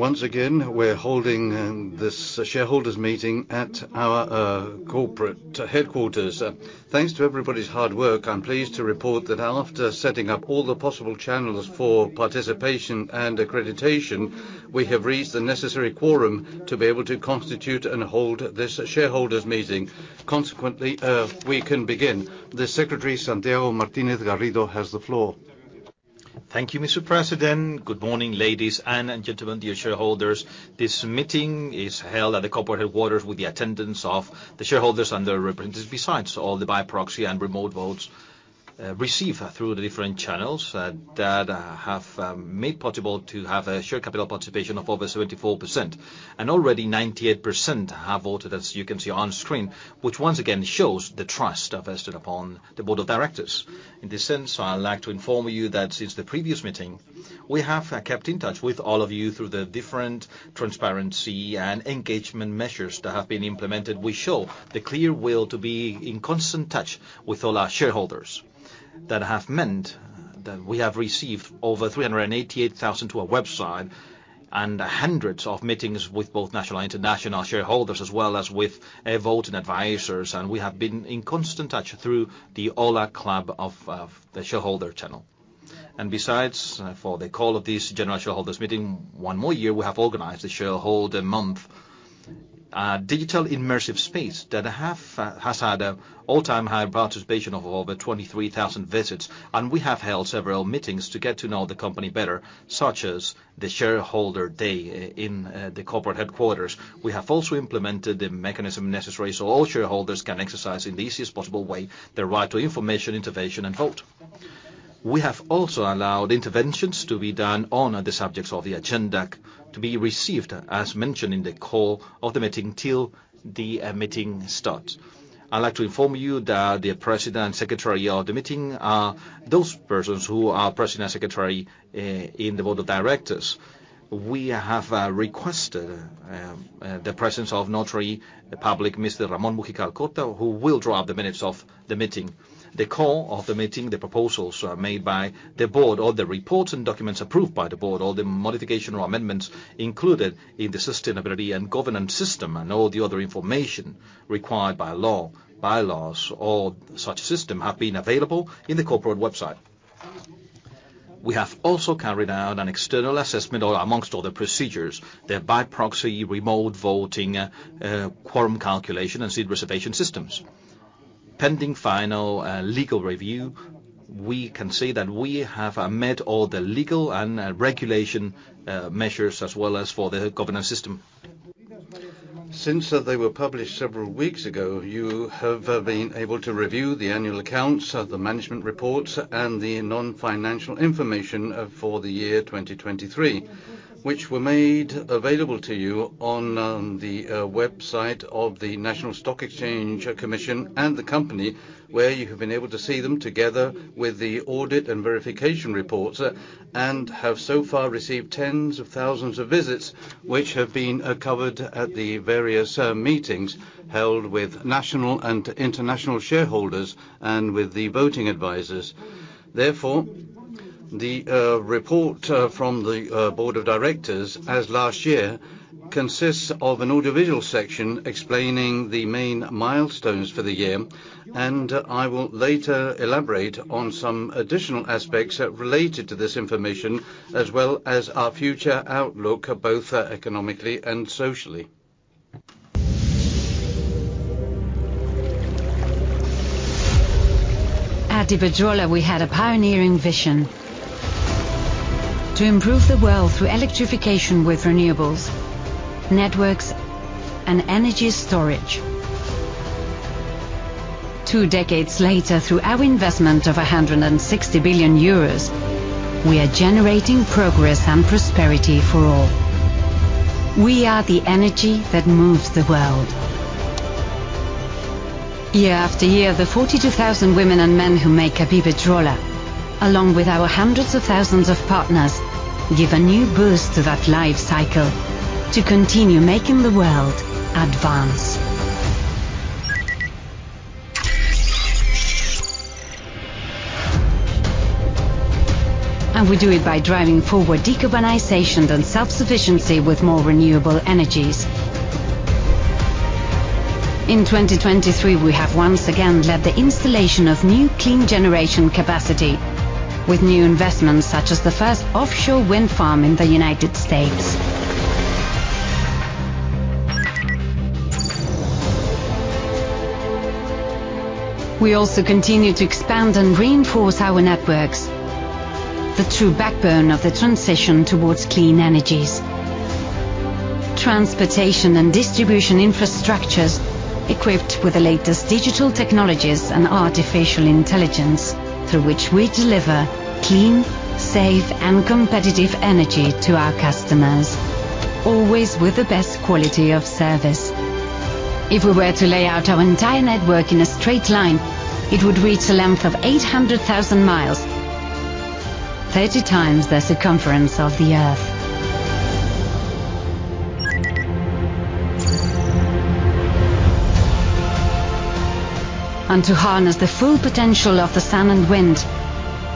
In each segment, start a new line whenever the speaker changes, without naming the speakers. ...Once again, we're holding this shareholders' meeting at our corporate headquarters. Thanks to everybody's hard work, I'm pleased to report that after setting up all the possible channels for participation and accreditation, we have reached the necessary quorum to be able to constitute and hold this shareholders' meeting. Consequently, we can begin. The Secretary, Santiago Martínez Garrido, has the floor.
Thank you, Mr. President. Good morning, ladies and gentlemen, dear shareholders. This meeting is held at the corporate headquarters with the attendance of the shareholders and their representatives, besides all the by-proxy and remote votes received through the different channels that have made possible to have a shared capital participation of over 74%. Already 98% have voted, as you can see on screen, which once again shows the trust vested upon the board of directors. In this sense, I'd like to inform you that since the previous meeting, we have kept in touch with all of you through the different transparency and engagement measures that have been implemented. We show the clear will to be in constant touch with all our shareholders. That has meant that we have received over 388,000 to our website, and hundreds of meetings with both national and international shareholders, as well as with voting advisors, and we have been in constant touch through the OLA Club of the shareholder channel. And besides, for the call of this general shareholders meeting, one more year, we have organized the Shareholder Month digital immersive space that has had an all-time high participation of over 23,000 visits, and we have held several meetings to get to know the company better, such as the Shareholder Day in the corporate headquarters. We have also implemented the mechanism necessary, so all shareholders can exercise, in the easiest possible way, the right to information, intervention, and vote. We have also allowed interventions to be done on the subjects of the agenda to be received, as mentioned in the call of the meeting, till the meeting starts. I'd like to inform you that the president and secretary of the meeting are those persons who are present as secretary in the board of directors. We have requested the presence of Notary Public, Mr. Ramón Múgica Alcorta, who will draw up the minutes of the meeting. The call of the meeting, the proposals made by the board, all the reports and documents approved by the board, all the modification or amendments included in the Sustainability and Governance System, and all the other information required by law, bylaws, all such system have been available in the corporate website. We have also carried out an external assessment, among all the procedures, the by-proxy, remote voting, quorum calculation, and seat reservation systems. Pending final legal review, we can say that we have met all the legal and regulation measures, as well as for the governance system.
Since they were published several weeks ago, you have been able to review the annual accounts of the management reports and the non-financial information for the year 2023, which were made available to you on the website of the National Securities Market Commission and the company, where you have been able to see them together with the audit and verification reports, and have so far received tens of thousands of visits, which have been covered at the various meetings held with national and international shareholders, and with the voting advisors. Therefore, the report from the board of directors, as last year, consists of an audiovisual section explaining the main milestones for the year, and I will later elaborate on some additional aspects related to this information, as well as our future outlook, both economically and socially.
At Iberdrola, we had a pioneering vision: to improve the world through electrification with renewables, networks, and energy storage. Two decades later, through our investment of 160 billion euros, we are generating progress and prosperity for all. We are the energy that moves the world. Year after year, the 42,000 women and men who make Iberdrola, along with our hundreds of thousands of partners, give a new boost to that life cycle to continue making the world advance. And we do it by driving forward decarbonization and self-sufficiency with more renewable energies. In 2023, we have once again led the installation of new clean generation capacity with new investments, such as the first offshore wind farm in the United States. We also continue to expand and reinforce our networks, the true backbone of the transition towards clean energies. Transportation and distribution infrastructures, equipped with the latest digital technologies and artificial intelligence, through which we deliver clean, safe, and competitive energy to our customers, always with the best quality of service. If we were to lay out our entire network in a straight line, it would reach a length of 800,000 miles, 30 times the circumference of the Earth. ... And to harness the full potential of the sun and wind,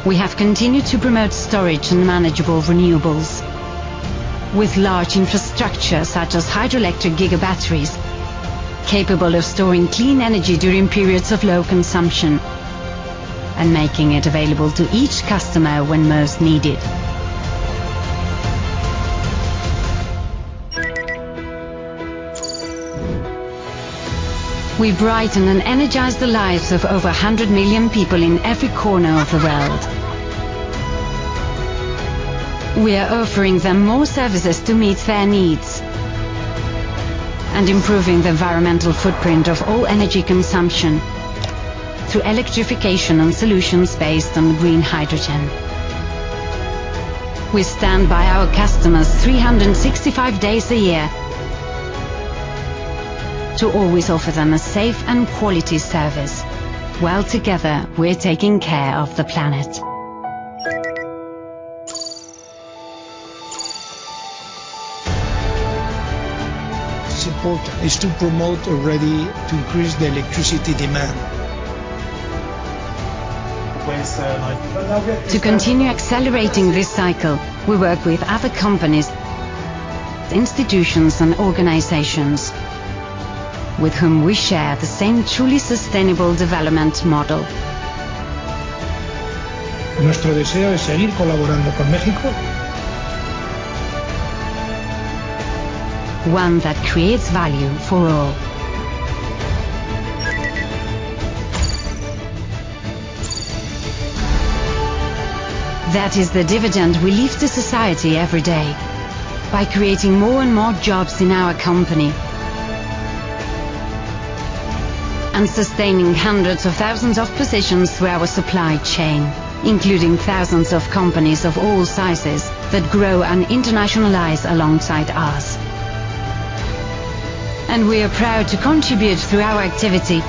we have continued to promote storage and manageable renewables. With large infrastructure, such as hydroelectric gigabatteries, capable of storing clean energy during periods of low consumption, and making it available to each customer when most needed. We brighten and energize the lives of over 100 million people in every corner of the world. We are offering them more services to meet their needs, and improving the environmental footprint of all energy consumption through electrification and solutions based on green hydrogen. We stand by our customers 365 days a year, to always offer them a safe and quality service, while together, we're taking care of the planet.
Support is to promote already to increase the electricity demand.
To continue accelerating this cycle, we work with other companies, institutions, and organizations, with whom we share the same truly sustainable development model.
Our desire is to continue collaborating with Mexico.
One that creates value for all. That is the dividend we leave to society every day, by creating more and more jobs in our company, and sustaining hundreds of thousands of positions through our supply chain, including thousands of companies of all sizes that grow and internationalize alongside us. And we are proud to contribute, through our activity,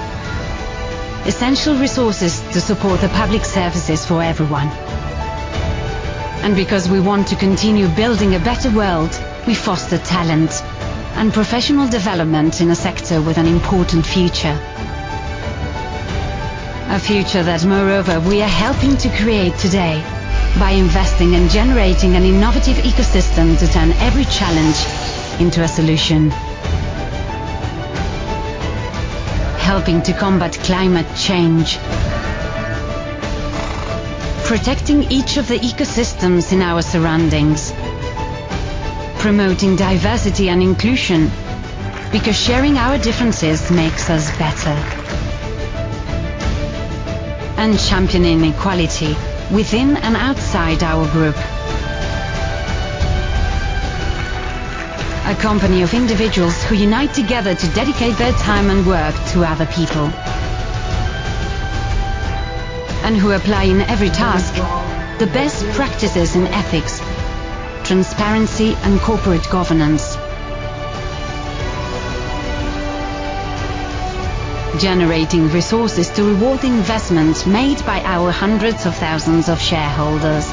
essential resources to support the public services for everyone. And because we want to continue building a better world, we foster talent and professional development in a sector with an important future. A future that, moreover, we are helping to create today by investing and generating an innovative ecosystem to turn every challenge into a solution. Helping to combat climate change, protecting each of the ecosystems in our surroundings, promoting diversity and inclusion, because sharing our differences makes us better. And championing equality within and outside our group. A company of individuals who unite together to dedicate their time and work to other people, and who apply in every task the best practices in ethics, transparency, and corporate governance. Generating resources to reward investments made by our hundreds of thousands of shareholders.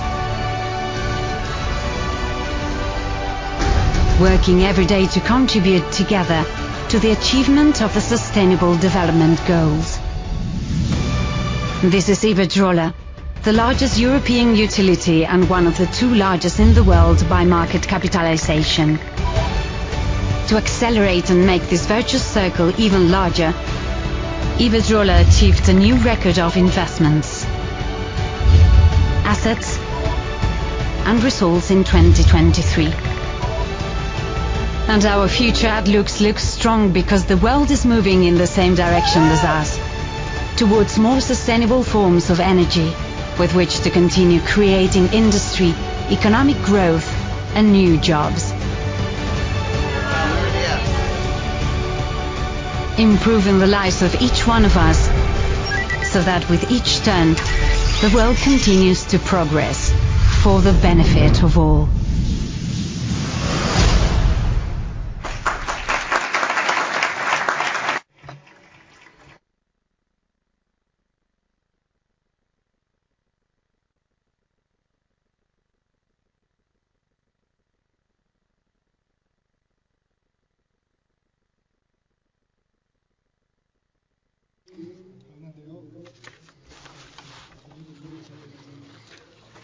Working every day to contribute together to the achievement of the sustainable development goals. This is Iberdrola, the largest European utility, and one of the two largest in the world by market capitalization. To accelerate and make this virtuous circle even larger, Iberdrola achieved a new record of investments, assets, and results in 2023. Our future outlooks look strong because the world is moving in the same direction as us, towards more sustainable forms of energy, with which to continue creating industry, economic growth, and new jobs. Improving the lives of each one of us, so that with each turn, the world continues to progress for the benefit of all.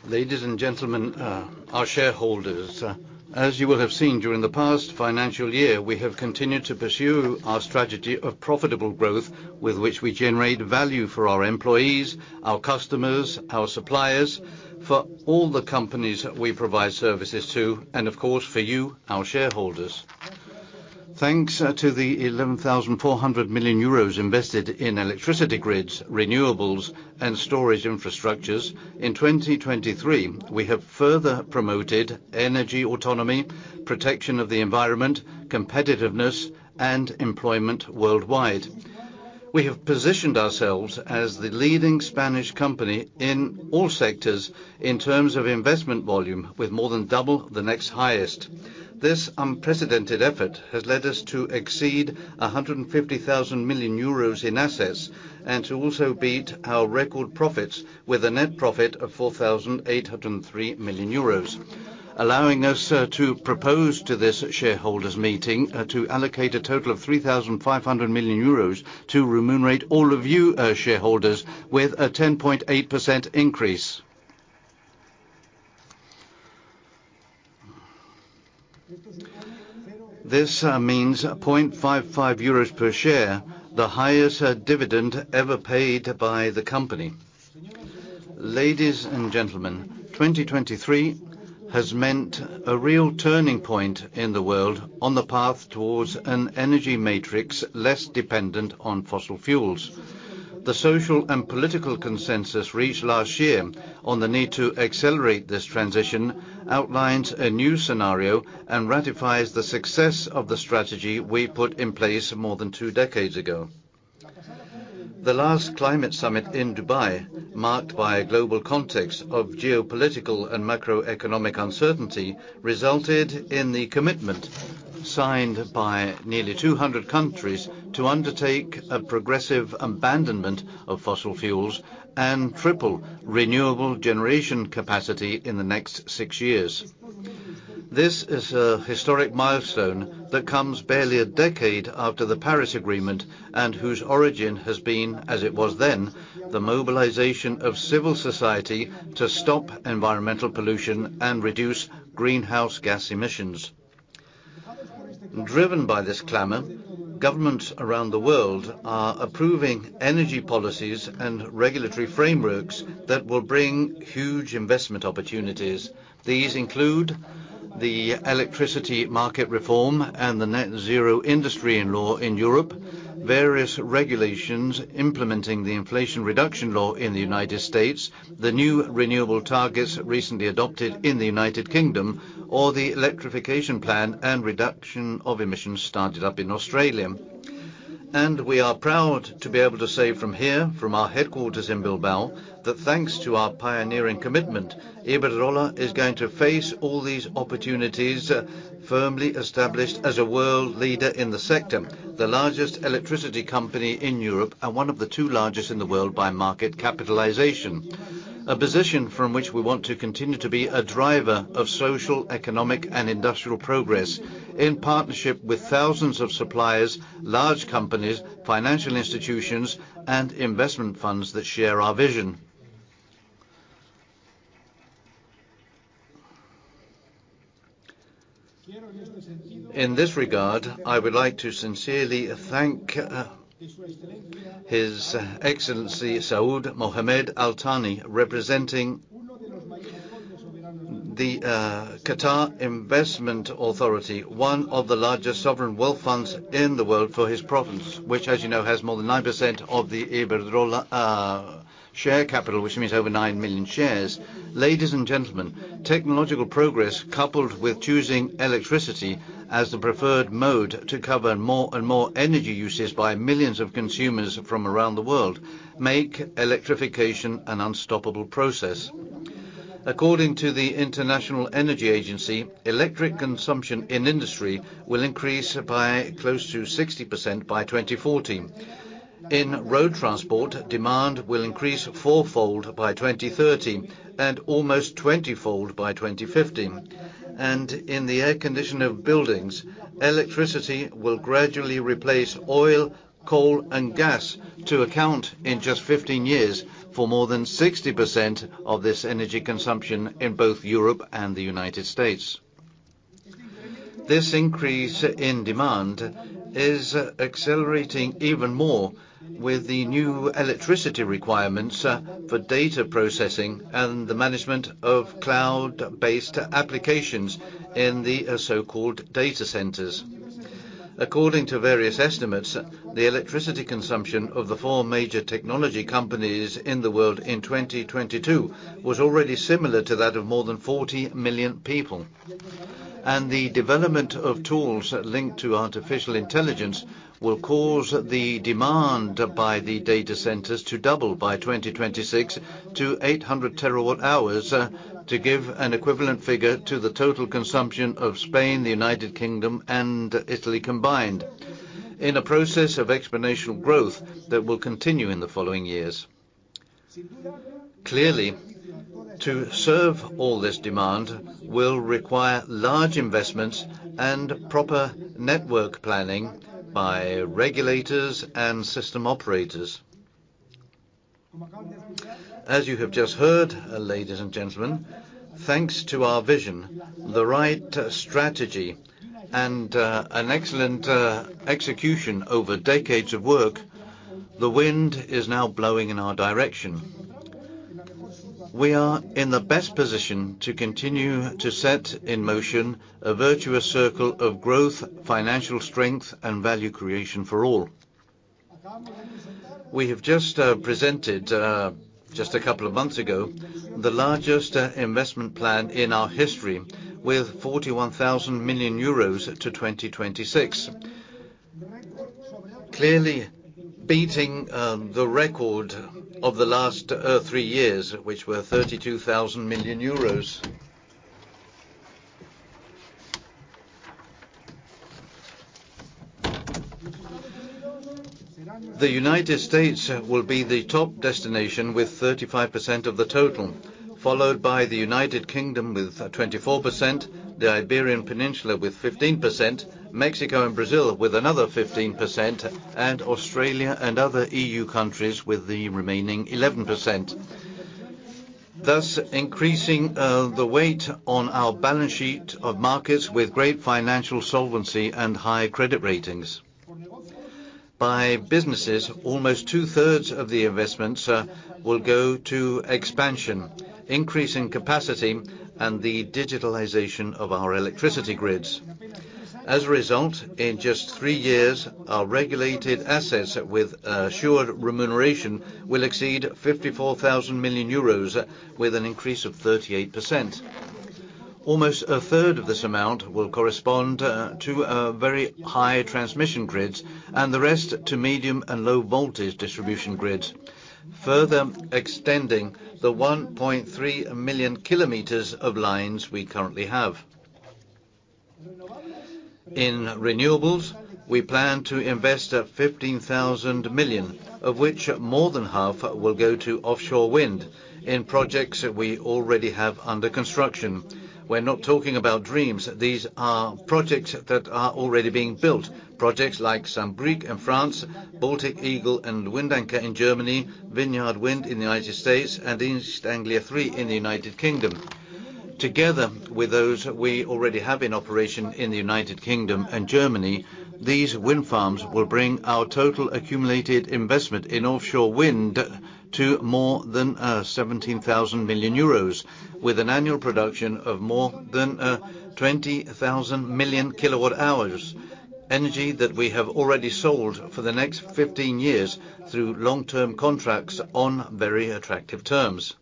Ladies and gentlemen, our shareholders, as you will have seen during the past financial year, we have continued to pursue our strategy of profitable growth, with which we generate value for our employees, our customers, our suppliers, for all the companies we provide services to, and of course, for you, our shareholders. Thanks to the 11,400 million euros invested in electricity grids, renewables, and storage infrastructures, in 2023, we have further promoted energy autonomy, protection of the environment, competitiveness, and employment worldwide. We have positioned ourselves as the leading Spanish company in all sectors in terms of investment volume, with more than double the next highest. This unprecedented effort has led us to exceed 150,000 million euros in assets, and to also beat our record profits, with a net profit of 4,803 million euros. Allowing us to propose to this shareholders' meeting to allocate a total of 3,500 million euros to remunerate all of you shareholders with a 10.8% increase. This means 0.55 euros per share, the highest dividend ever paid by the company. Ladies and gentlemen, 2023 has meant a real turning point in the world on the path towards an energy matrix less dependent on fossil fuels. The social and political consensus reached last year on the need to accelerate this transition outlines a new scenario and ratifies the success of the strategy we put in place more than two decades ago. The last climate summit in Dubai, marked by a global context of geopolitical and macroeconomic uncertainty, resulted in the commitment signed by nearly 200 countries to undertake a progressive abandonment of fossil fuels and triple renewable generation capacity in the next 6 years. This is a historic milestone that comes barely a decade after the Paris Agreement, and whose origin has been, as it was then, the mobilization of civil society to stop environmental pollution and reduce greenhouse gas emissions. Driven by this clamor, governments around the world are approving energy policies and regulatory frameworks that will bring huge investment opportunities. These include the electricity market reform and the Net Zero Industry Act in Europe, various regulations implementing the Inflation Reduction Act in the United States, the new renewable targets recently adopted in the United Kingdom, or the electrification plan and reduction of emissions started up in Australia. We are proud to be able to say from here, from our headquarters in Bilbao, that thanks to our pioneering commitment, Iberdrola is going to face all these opportunities firmly established as a world leader in the sector, the largest electricity company in Europe, and one of the two largest in the world by market capitalization. A position from which we want to continue to be a driver of social, economic, and industrial progress in partnership with thousands of suppliers, large companies, financial institutions, and investment funds that share our vision. In this regard, I would like to sincerely thank His Excellency, Saud bin Mohammed Al Thani, representing the Qatar Investment Authority, one of the largest sovereign wealth funds in the world, for his presence, which, as you know, has more than 9% of the Iberdrola share capital, which means over 9 million shares. Ladies and gentlemen, technological progress, coupled with choosing electricity as the preferred mode to cover more and more energy uses by millions of consumers from around the world, make electrification an unstoppable process. According to the International Energy Agency, electric consumption in industry will increase by close to 60% by 2040. In road transport, demand will increase 4-fold by 2030, and almost 20-fold by 2050. In air-conditioned buildings, electricity will gradually replace oil, coal, and gas to account in just 15 years for more than 60% of this energy consumption in both Europe and the United States. This increase in demand is accelerating even more with the new electricity requirements for data processing and the management of cloud-based applications in the so-called data centers. According to various estimates, the electricity consumption of the four major technology companies in the world in 2022 was already similar to that of more than 40 million people. And the development of tools linked to artificial intelligence will cause the demand by the data centers to double by 2026 to 800 terawatt-hours, to give an equivalent figure to the total consumption of Spain, the United Kingdom, and Italy combined, in a process of exponential growth that will continue in the following years. Clearly, to serve all this demand will require large investments and proper network planning by regulators and system operators. As you have just heard, ladies and gentlemen, thanks to our vision, the right, strategy, and, an excellent, execution over decades of work, the wind is now blowing in our direction. We are in the best position to continue to set in motion a virtuous circle of growth, financial strength, and value creation for all. We have just presented just a couple of months ago the largest investment plan in our history with 41 billion euros to 2026. Clearly, beating the record of the last three years, which were 32 billion. The United States will be the top destination with 35% of the total, followed by the United Kingdom with 24%, the Iberian Peninsula with 15%, Mexico and Brazil with another 15%, and Australia and other EU countries with the remaining 11%... thus increasing the weight on our balance sheet of markets with great financial solvency and high credit ratings. By businesses, almost two-thirds of the investments will go to expansion, increasing capacity, and the digitalization of our electricity grids. As a result, in just 3 years, our regulated assets with assured remuneration will exceed 54,000 million euros, with an increase of 38%. Almost a third of this amount will correspond to very high transmission grids, and the rest to medium and low-voltage distribution grids, further extending the 1.3 million kilometers of lines we currently have. In renewables, we plan to invest 15,000 million, of which more than half will go to offshore wind in projects that we already have under construction. We're not talking about dreams. These are projects that are already being built, projects like Saint-Brieuc in France, Baltic Eagle and Windanker in Germany, Vineyard Wind in the United States, and East Anglia Three in the United Kingdom. Together with those we already have in operation in the United Kingdom and Germany, these wind farms will bring our total accumulated investment in offshore wind to more than 17,000 million euros, with an annual production of more than 20,000 million kWh, energy that we have already sold for the next 15 years through long-term contracts on very attractive terms.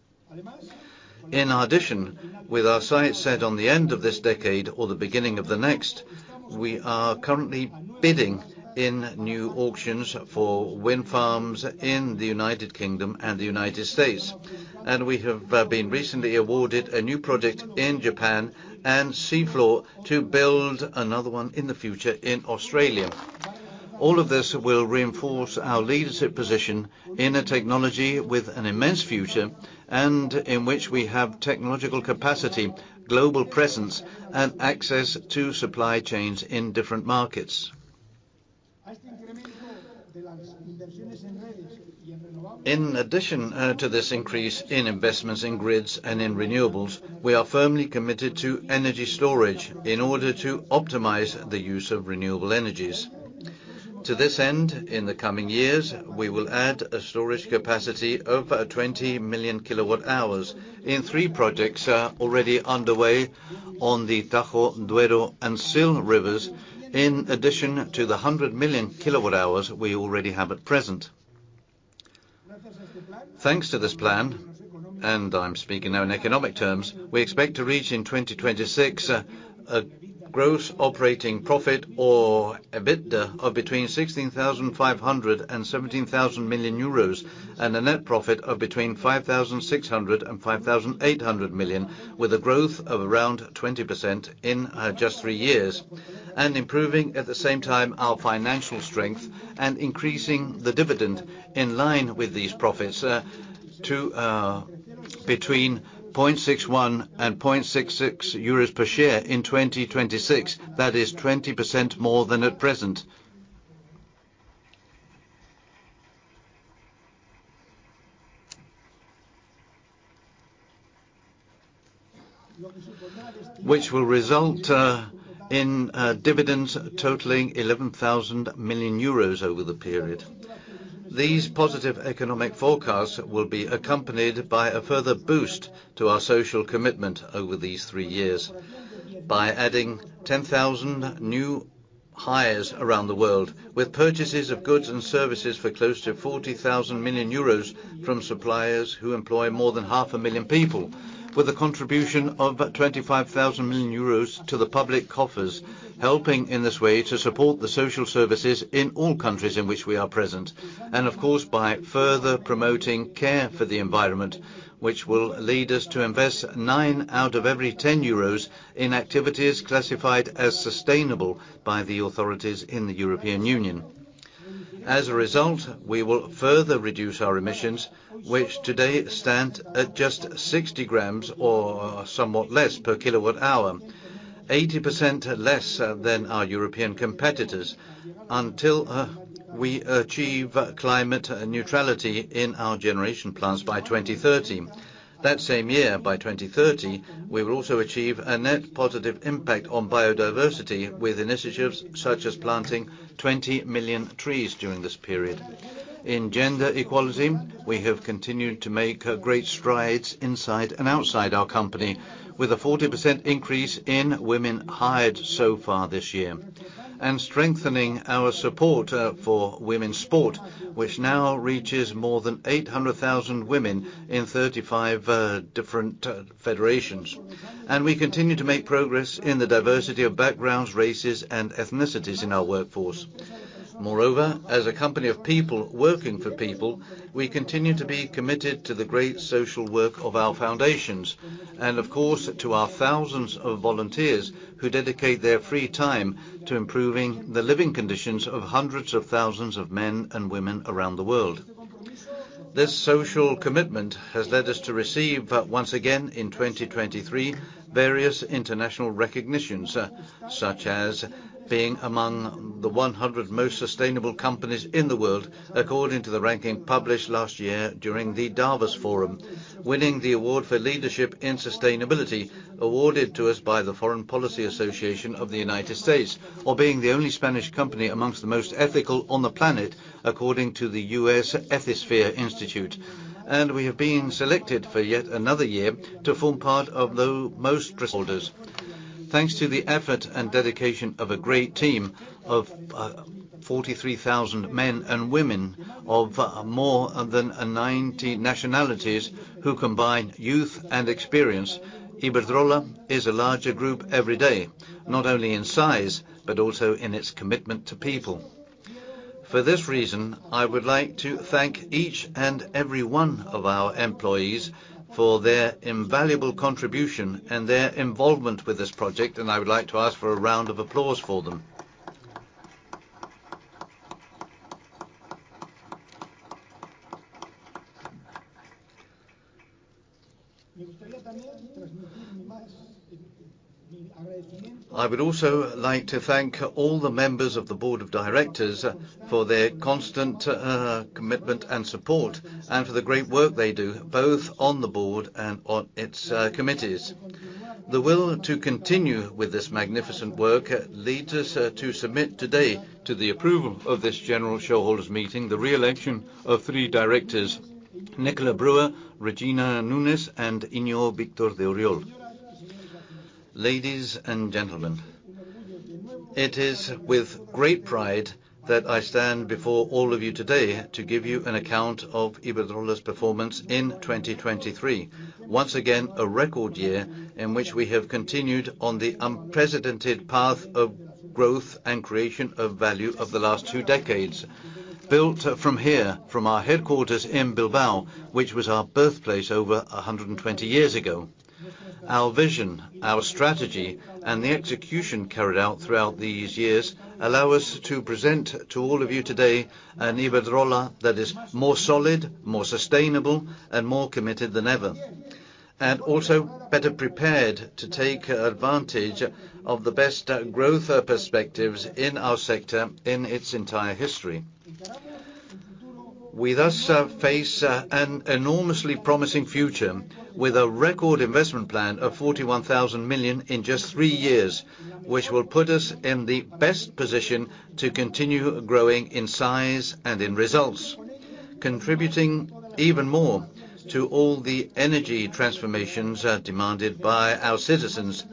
In addition, with our sights set on the end of this decade or the beginning of the next, we are currently bidding in new auctions for wind farms in the United Kingdom and the United States, and we have been recently awarded a new project in Japan and CEFC to build another one in the future in Australia. All of this will reinforce our leadership position in a technology with an immense future, and in which we have technological capacity, global presence, and access to supply chains in different markets. In addition, to this increase in investments in grids and in renewables, we are firmly committed to energy storage in order to optimize the use of renewable energies. To this end, in the coming years, we will add a storage capacity of 20 million kWh in three projects, already underway on the Tajo, Duero, and Sil rivers, in addition to the 100 million kWh we already have at present. Thanks to this plan, and I'm speaking now in economic terms, we expect to reach in 2026 a gross operating profit or EBITDA of between 16,500 million and 17,000 million euros, and a net profit of between 5,600 million and 5,800 million, With a growth of around 20% in just three years, and improving, at the same time, our financial strength and increasing the dividend in line with these profits to between 0.61 and 0.66 euros per share in 2026. That is 20% more than at present. Which will result in dividends totaling 11,000 million euros over the period. These positive economic forecasts will be accompanied by a further boost to our social commitment over these three years by adding 10,000 new hires around the world, with purchases of goods and services for close to 40 billion euros from suppliers who employ more than 500,000 people, with a contribution of about 25 billion euros to the public coffers, Helping in this way to support the social services in all countries in which we are present, and of course, by further promoting care for the environment, which will lead us to invest nine out of every ten euros in activities classified as sustainable by the authorities in the European Union. As a result, we will further reduce our emissions, which today stand at just 60 grams or somewhat less per kilowatt hour, 80% less than our European competitors, until we achieve climate and neutrality in our generation plants by 2030. That same year, by 2030, we will also achieve a net positive impact on biodiversity, with initiatives such as planting 20 million trees during this period. In gender equality, we have continued to make great strides inside and outside our company, with a 40% increase in women hired so far this year, and strengthening our support for women's sport, which now reaches more than 800,000 women in 35 different federations. We continue to make progress in the diversity of backgrounds, races, and ethnicities in our workforce. Moreover, as a company of people working for people, we continue to be committed to the great social work of our foundations and, of course, to our thousands of volunteers who dedicate their free time to improving the living conditions of hundreds of thousands of men and women around the world. This social commitment has led us to receive, once again, in 2023, various international recognitions, such as being among the 100 most sustainable companies in the world, according to the ranking published last year during the Davos Forum. Winning the award for Leadership in Sustainability, awarded to us by the Foreign Policy Association of the United States, or being the only Spanish company amongst the most ethical on the planet, according to the U.S. Ethisphere Institute. And we have been selected for yet another year to form part of the most shareholders. Thanks to the effort and dedication of a great team of 43,000 men and women of more than 90 nationalities, who combine youth and experience, Iberdrola is a larger group every day, not only in size, but also in its commitment to people. For this reason, I would like to thank each and every one of our employees for their invaluable contribution and their involvement with this project, and I would like to ask for a round of applause for them. I would also like to thank all the members of the board of directors for their constant commitment and support, and for the great work they do, both on the board and on its committees. The will to continue with this magnificent work leads us to submit today to the approval of this general shareholders meeting, the re-election of three directors, Nicola Brewer, Regina Nunes, and Íñigo Víctor de Oriol. Ladies and gentlemen, it is with great pride that I stand before all of you today to give you an account of Iberdrola's performance in 2023. Once again, a record year, in which we have continued on the unprecedented path of growth and creation of value of the last two decades. Built from here, from our headquarters in Bilbao, which was our birthplace over 120 years ago. Our vision, our strategy, and the execution carried out throughout these years, allow us to present to all of you today an Iberdrola that is more solid, more sustainable, and more committed than ever. And also better prepared to take advantage of the best growth perspectives in our sector in its entire history. We thus face an enormously promising future with a record investment plan of 41,000 million in just three years, which will put us in the best position to continue growing in size and in results. Contributing even more to all the energy transformations demanded by our citizens,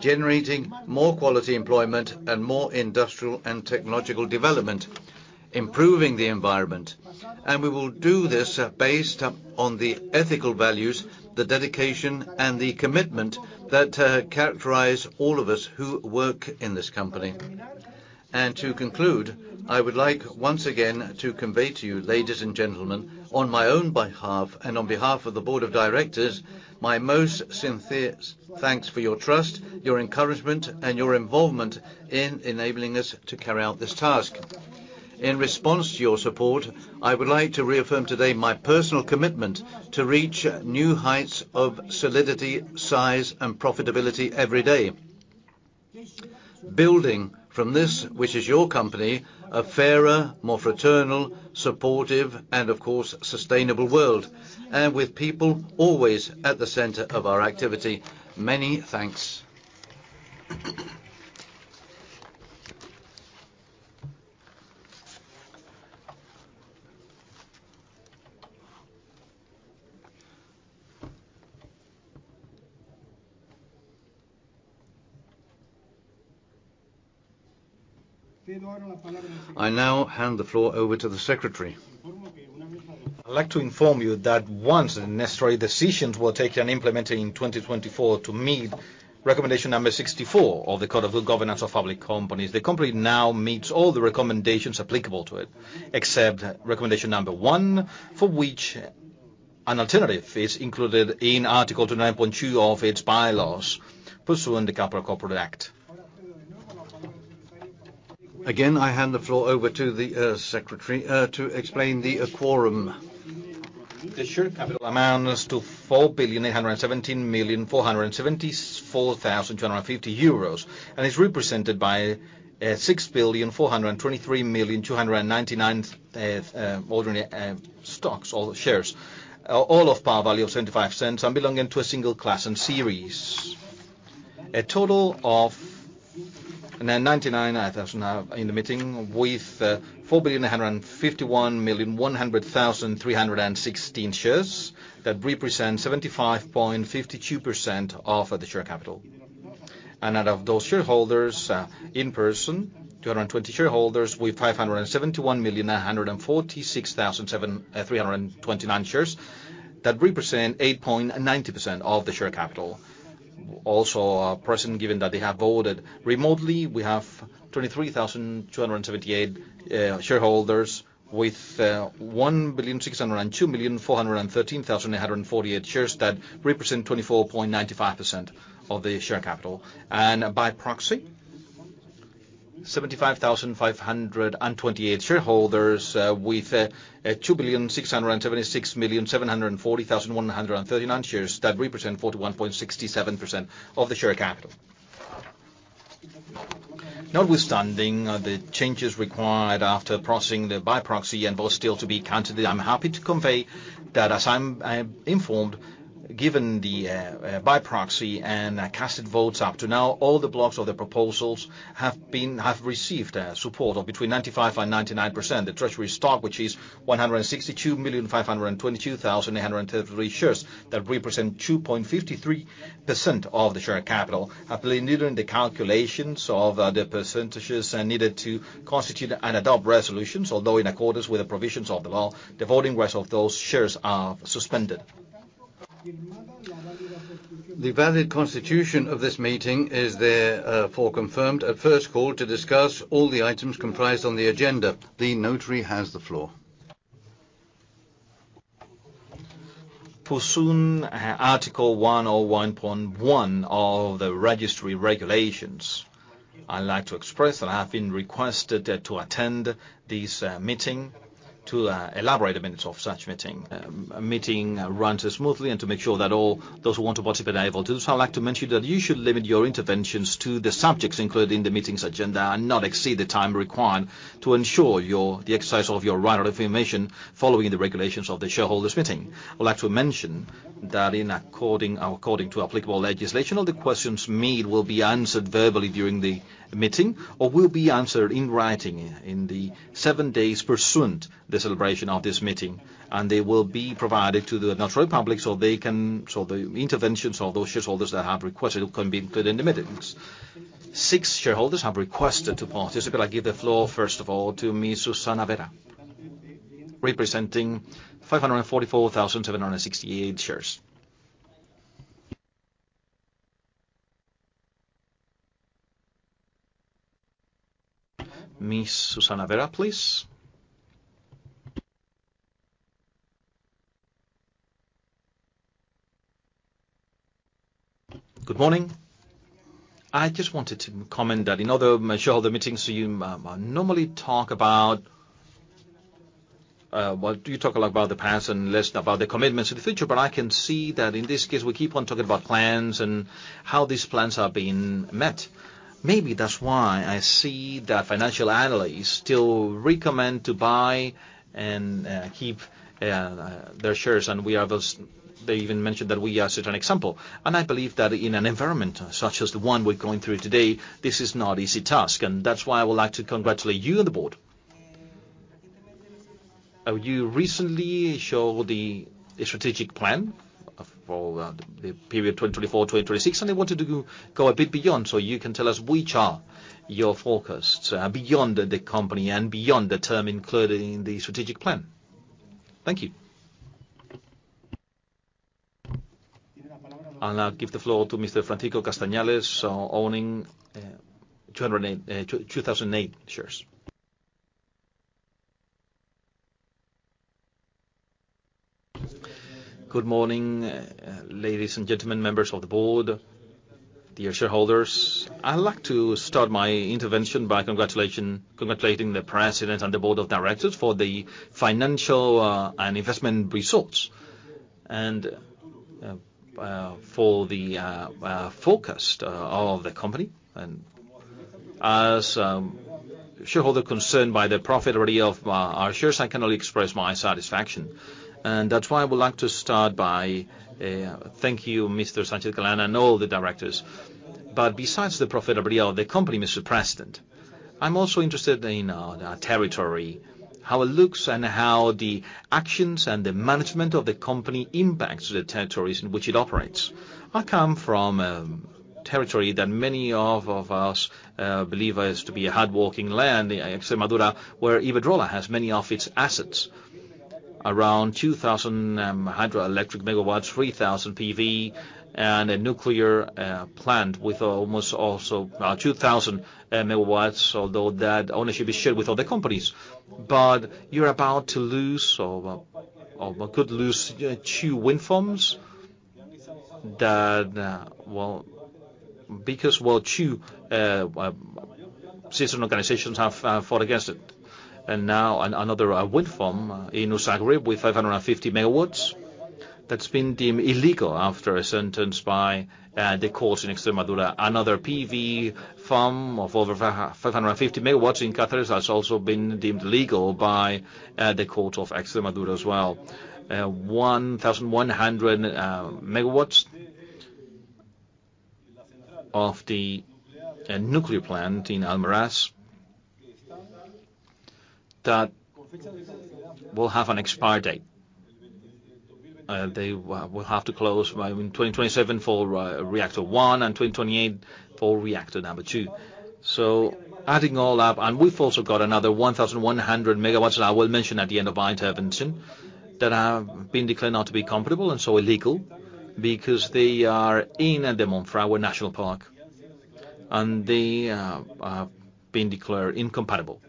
generating more quality employment and more industrial and technological development, improving the environment. And we will do this based on the ethical values, the dedication, and the commitment that characterize all of us who work in this company. To conclude, I would like, once again, to convey to you, ladies and gentlemen, on my own behalf and on behalf of the board of directors, my most sincerest thanks for your trust, your encouragement, and your involvement in enabling us to carry out this task. In response to your support, I would like to reaffirm today my personal commitment to reach new heights of solidity, size, and profitability every day. Building from this, which is your company, a fairer, more fraternal, supportive, and of course, sustainable world, and with people always at the center of our activity. Many thanks. I now hand the floor over to the secretary.
I'd like to inform you that once the necessary decisions were taken and implemented in 2024 to meet recommendation number 64 of the Code of Governance of Public Companies, the company now meets all the recommendations applicable to it, except recommendation number 1, for which an alternative is included in Article 29.2 of its bylaws, pursuant to Capital Companies Act.
Again, I hand the floor over to the secretary to explain the quorum.
The share capital amounts to 4,817,474,250 euros, and is represented by 6,423,299,000 ordinary stocks, or shares. All of par value of 0.75 and belonging to a single class and series. A total of 99,000 in the meeting, with 4,851,100,316 shares, that represent 75.52% of the share capital. Out of those shareholders, in person, 220 shareholders with 571,146,729 shares, that represent 8.90% of the share capital. Also, at present, given that they have voted remotely, we have 23,278 shareholders with 1,602,413,848 shares that represent 24.95% of the share capital. And by proxy, 75,528 shareholders with 2,676,740,139 shares that represent 41.67% of the share capital. Notwithstanding the changes required after processing the by-proxy and votes still to be counted, I'm happy to convey that as I'm informed, given the by-proxy and cast votes up to now, all the blocks of the proposals have received support of between 95% and 99%. The treasury stock, which is 162,522,833 shares, that represent 2.53% of the share capital, happily neither in the calculations of the percentages needed to constitute and adopt resolutions, although in accordance with the provisions of the law, the voting rights of those shares are suspended. The valid constitution of this meeting is therefore confirmed. A first call to discuss all the items comprised on the agenda. The notary has the floor. Pursuant to Article 1 or 1.1 of the registry regulations, I'd like to express that I have been requested to attend this meeting to elaborate the minutes of such meeting. Meeting runs smoothly, and to make sure that all those who want to participate are able to. So I'd like to mention that you should limit your interventions to the subjects included in the meeting's agenda, and not exceed the time required to ensure your, the exercise of your right of information following the regulations of the shareholders' meeting. I'd like to mention that in accordance, according to applicable legislation, all the questions made will be answered verbally during the meeting, or will be answered in writing in the seven days pursuant to the celebration of this meeting, and they will be provided to the notary public so they can... So the interventions of those shareholders that have requested can be included in the meetings. Six shareholders have requested to participate. I give the floor, first of all, to Miss Susana Vera, representing 544,768 shares. Miss Susana Vera, please. Good morning. I just wanted to comment that in other shareholder meetings, you, normally talk about, well, you talk a lot about the past and less about the commitments of the future. But I can see that in this case, we keep on talking about plans and how these plans are being met. Maybe that's why I see that financial analysts still recommend to buy and, keep, their shares, and we are those-- They even mentioned that we are set an example. And I believe that in an environment such as the one we're going through today, this is not easy task, and that's why I would like to congratulate you and the board. You recently showed the strategic plan for the period 2024-2026, and I wanted to go a bit beyond, so you can tell us which are your forecasts beyond the company and beyond the term included in the strategic plan. Thank you. I'll now give the floor to Mr. Francisco Castañares, owning 2,008 shares.
Good morning, ladies and gentlemen, members of the board, dear shareholders. I'd like to start my intervention by congratulating the president and the board of directors for the financial and investment results, and for the forecast of the company. And as shareholder concerned by the profit already of our shares, I can only express my satisfaction, and that's why I would like to start by: thank you, Mr. Galán, and all the directors. But besides the profitability of the company, Mr. President, I'm also interested in our territory, how it looks, and how the actions and the management of the company impacts the territories in which it operates. I come from territory that many of us believe as to be a hard-working land, the Extremadura, where Iberdrola has many of its assets. Around 2,000 hydroelectric megawatts, 3,000 PV, and a nuclear plant with almost also 2,000 megawatts, although that ownership is shared with other companies. But you're about to lose or could lose two wind farms that well, because well, two citizen organizations have fought against it. And now another wind farm in Usagre with 550 megawatts that's been deemed illegal after a sentence by the courts in Extremadura. Another PV farm of over 550 megawatts in Cáceres has also been deemed illegal by the court of Extremadura as well. 1,100 megawatts of the nuclear plant in Almaraz that will have an expiry date. They will have to close by 2027 for reactor 1, and 2028 for reactor number 2. So adding all up, and we've also got another 1,100 megawatts that I will mention at the end of my intervention that have been declared not to be compatible, and so illegal, because they are in the Monfragüe National Park, and they been declared incompatible.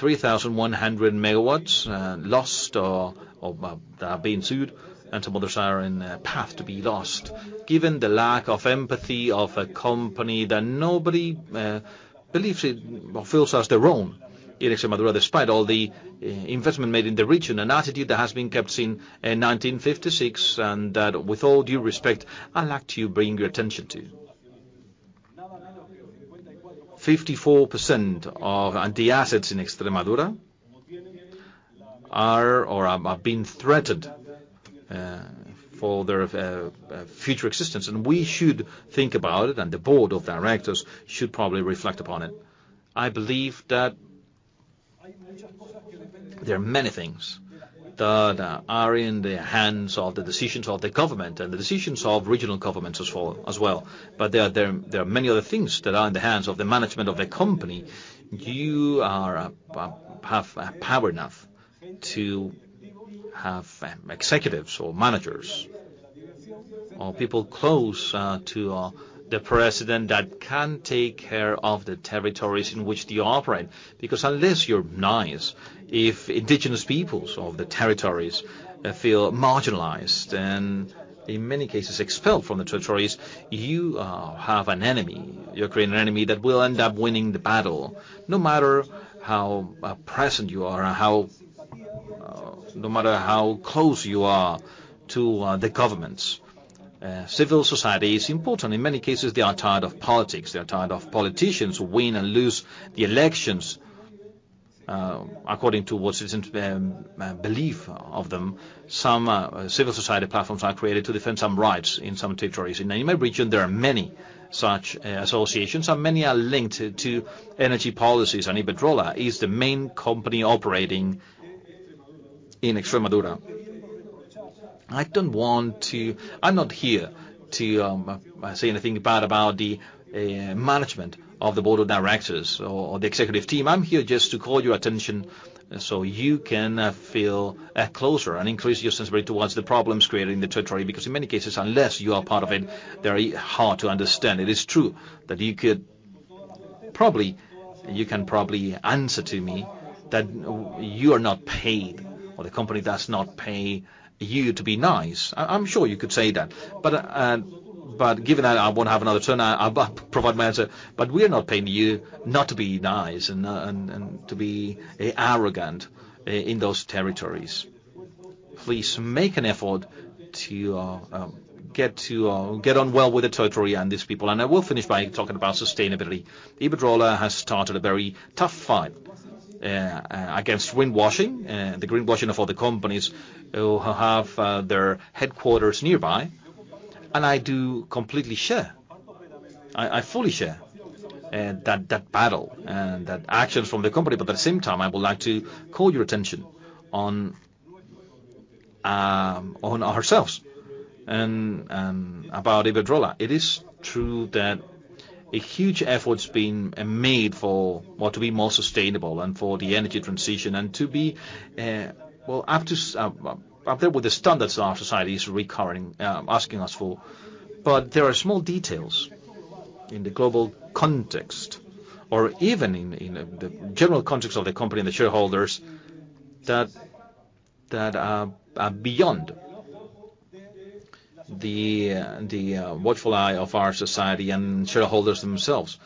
3,100 megawatts, lost or that are being sued, and some others are in a path to be lost. Given the lack of empathy of a company that nobody believes it or feels as their own, in Extremadura, despite all the investment made in the region, an attitude that has been kept since 1956, and that with all due respect, I'd like to bring your attention to. 54% of hydro assets in Extremadura are, or have been threatened for their future existence, and we should think about it, and the board of directors should probably reflect upon it. I believe that there are many things that are in the hands of the decisions of the government and the decisions of regional governments as well. But there are many other things that are in the hands of the management of the company. You have power enough to have executives or managers or people close to the president that can take care of the territories in which they operate. Because unless you're nice, if indigenous peoples of the territories feel marginalized and in many cases expelled from the territories, you have an enemy. You create an enemy that will end up winning the battle, no matter how present you are or how close you are to the governments. Civil society is important. In many cases, they are tired of politics. They are tired of politicians who win and lose the elections according to what isn't belief of them. Some civil society platforms are created to defend some rights in some territories. In my region, there are many such associations, and many are linked to energy policies, and Iberdrola is the main company operating in Extremadura. I don't want to. I'm not here to say anything bad about the management of the board of directors or the executive team. I'm here just to call your attention, so you can feel closer and increase your sensitivity towards the problems created in the territory, because in many cases, unless you are part of it, very hard to understand. It is true that you could probably, you can probably answer to me that you are not paid, or the company does not pay you to be nice. I, I'm sure you could say that, but, but given that I won't have another turn, I, I'll provide my answer: But we are not paying you not to be nice and, and, and to be, arrogant in those territories. Please, make an effort to, get to, get on well with the territory and these people. And I will finish by talking about sustainability. Iberdrola has started a very tough fight, against greenwashing, the greenwashing of other companies who have, their headquarters nearby. And I do completely share, I fully share, that battle, that actions from the company, but at the same time, I would like to call your attention on, on ourselves and, about Iberdrola. It is true that a huge effort's been made for... Or to be more sustainable and for the energy transition and to be, well, up to, up there with the standards our society is requiring, asking us for. But there are small details in the global context or even in the general context of the company and the shareholders, that are beyond the watchful eye of our society and shareholders themselves,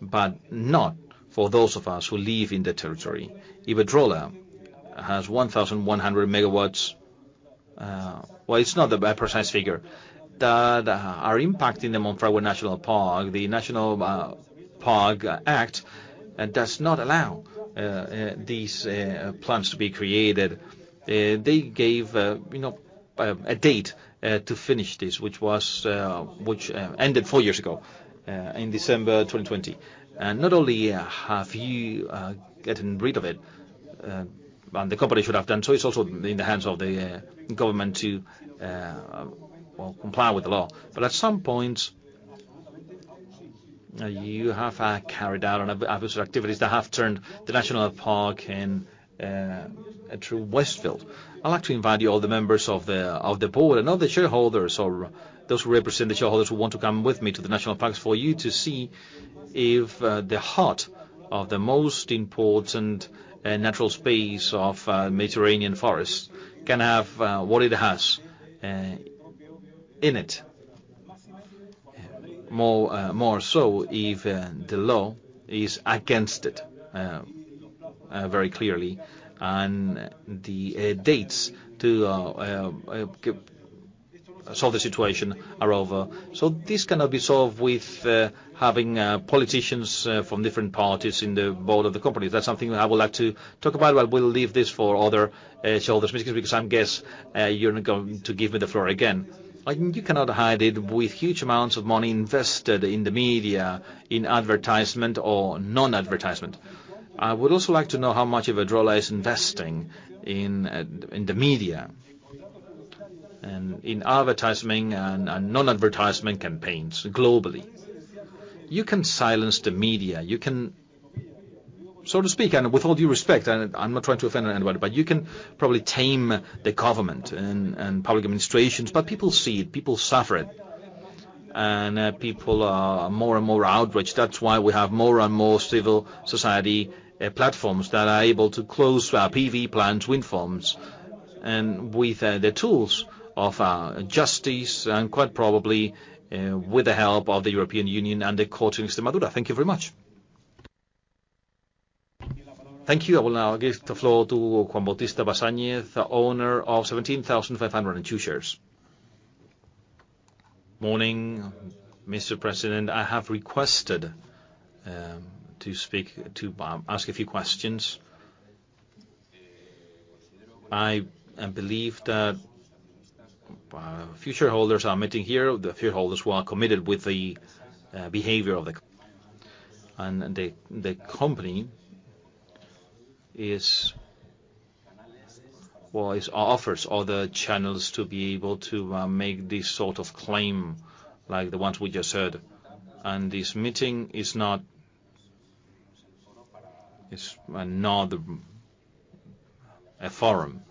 but not for those of us who live in the territory. Iberdrola has 1,100 megawatts. Well, it's not the precise figure, that are impacting the Monfragüe National Park. The National Park Act does not allow these plans to be created. They gave, you know, a date to finish this, which was, which ended four years ago, in December 2020. And not only have you gotten rid of it, but the company should have done so. It's also in the hands of the government to, well, comply with the law. But at some point, you have carried out abusive activities that have turned the national park into a true wasteland. I'd like to invite you, all the members of the board and all the shareholders or those who represent the shareholders who want to come with me to the national parks, for you to see if the heart of the most important natural space of Mediterranean forests can have what it has in it. More so if the law is against it very clearly, and the dates to solve the situation are over. So this cannot be solved with having politicians from different parties in the board of the company. That's something I would like to talk about, but we'll leave this for other shareholders, because, because I guess, you're not going to give me the floor again. You cannot hide it with huge amounts of money invested in the media, in advertisement or non-advertisement. I would also like to know how much Iberdrola is investing in, in the media and in advertising and, and non-advertisement campaigns globally. You can silence the media. You can, so to speak, and with all due respect, and I'm not trying to offend anybody, but you can probably tame the government and, and public administrations, but people see it, people suffer it.... And people are more and more outraged. That's why we have more and more civil society platforms that are able to close our PV plant wind farms, and with the tools of justice and quite probably with the help of the European Union and the courts in Madrid. Thank you very much.
Thank you. I will now give the floor to Juan Bautista Basinas, the owner of 17,502 shares.
Morning, Mr. President. I have requested to speak to ask a few questions. I believe that shareholders are meeting here, the shareholders who are committed with the behavior of the... And the company is, well, it offers other channels to be able to make this sort of claim, like the ones we just heard. This meeting is not a forum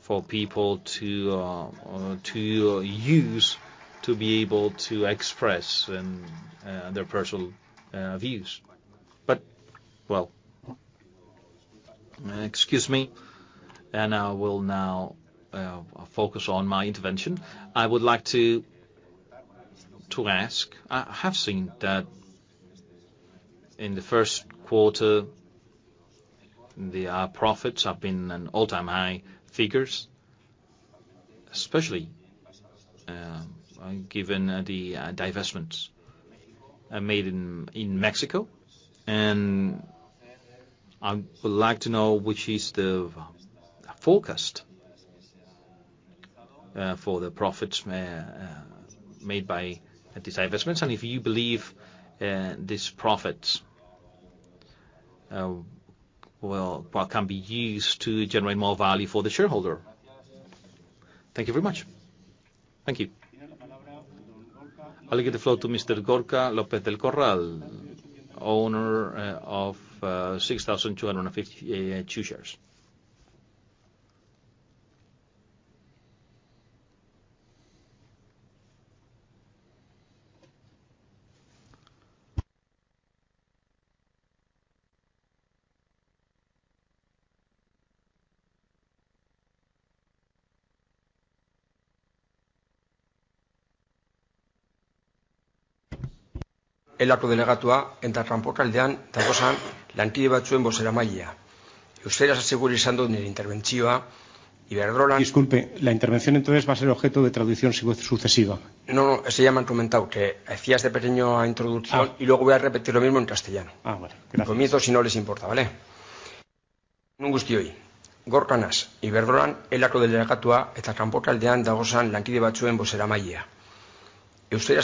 for people to use to be able to express their personal views. But well, excuse me, and I will now focus on my intervention. I would like to ask. I have seen that in the first quarter, the profits have been all-time high figures, especially given the divestments made in Mexico. And I would like to know which is the forecast for the profits made by these investments, and if you believe these profits well what can be used to generate more value for the shareholder? Thank you very much.
Thank you. I'll give the floor to Mr. Gorka López del Corral, owner of 6,252 shares.
Disculpe, la intervención, entonces, va a ser objeto de traducción sucesiva? No, sí, ya me han comentado, que hacía primero una introducción-
Ah.
Y luego voy a repetir lo mismo en castellano.
Ah, bueno.
Comienzo, si no les importa, ¿vale? Gorka naiz, Iberdrola, ELAko delegatua, eta kanporaldean dauden lanbide batzuen bozeramailea. Euskaraz egingo dut nire interbentzioa, Iberdrola- I mentioned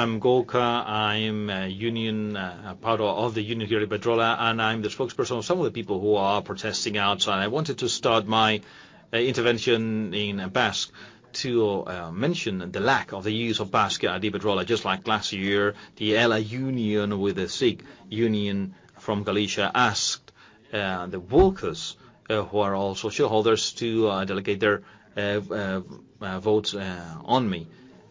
I'm Gorka. I'm a union, part of the union here at Iberdrola, and I'm the spokesperson of some of the people who are protesting outside. I wanted to start my intervention in Basque to mention the lack of the use of Basque at Iberdrola. Just like last year, the ELA Union with the CIG Union from Galicia asked the workers who are also shareholders to delegate their votes on me.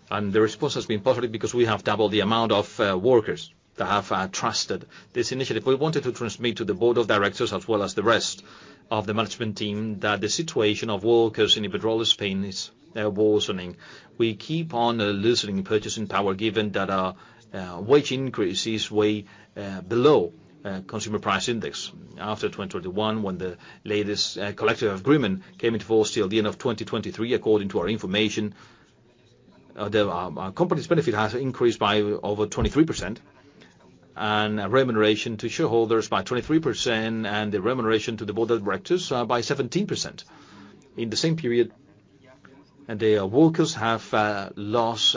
The response has been positive because we have doubled the amount of workers that have trusted this initiative. We wanted to transmit to the board of directors, as well as the rest of the management team, that the situation of workers in Iberdrola, Spain, is worsening. We keep on losing purchasing power, given that our wage increase is way below consumer price index. After 2021, when the latest collective agreement came into force, till the end of 2023, according to our information, the company's benefit has increased by over 23%, and remuneration to shareholders by 23%, And the remuneration to the board of directors by 17%. In the same period, the workers have lost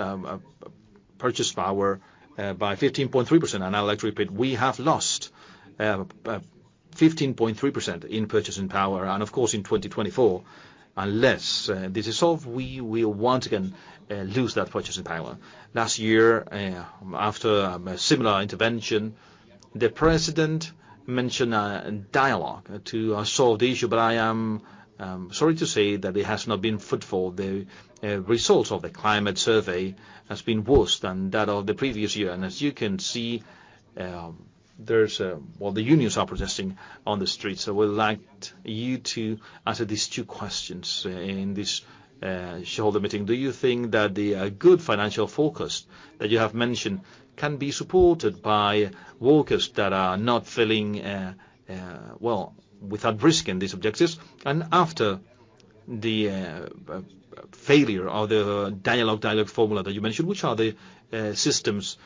purchasing power by 15.3%. And I'd like to repeat, we have lost 15.3% in purchasing power, and of course, in 2024, unless this is solved, we will once again lose that purchasing power. Last year, after a similar intervention, the president mentioned a dialogue to solve the issue, but I am sorry to say that it has not been fruitful. The results of the climate survey has been worse than that of the previous year, and as you can see, there's a... Well, the unions are protesting on the streets. So we would like you to answer these two questions in this shareholder meeting. Do you think that the good financial forecast that you have mentioned can be supported by workers that are not feeling well, without risking these objectives? And after the failure of the dialogue, dialogue formula that you mentioned, which are the systems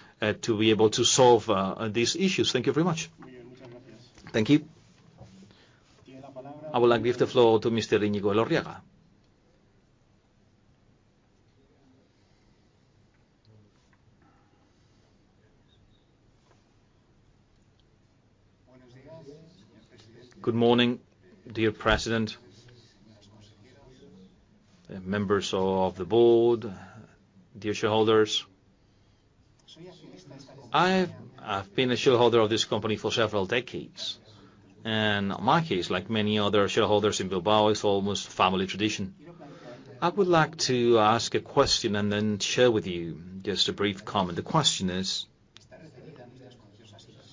to be able to solve these issues? Thank you very much.
Thank you. I would like to give the floor to Mr.Íñigo Elorriaga.
Good morning, dear President. Members of the board, dear shareholders. I've been a shareholder of this company for several decades, and in my case, like many other shareholders in Bilbao, it's almost family tradition. I would like to ask a question and then share with you just a brief comment. The question is,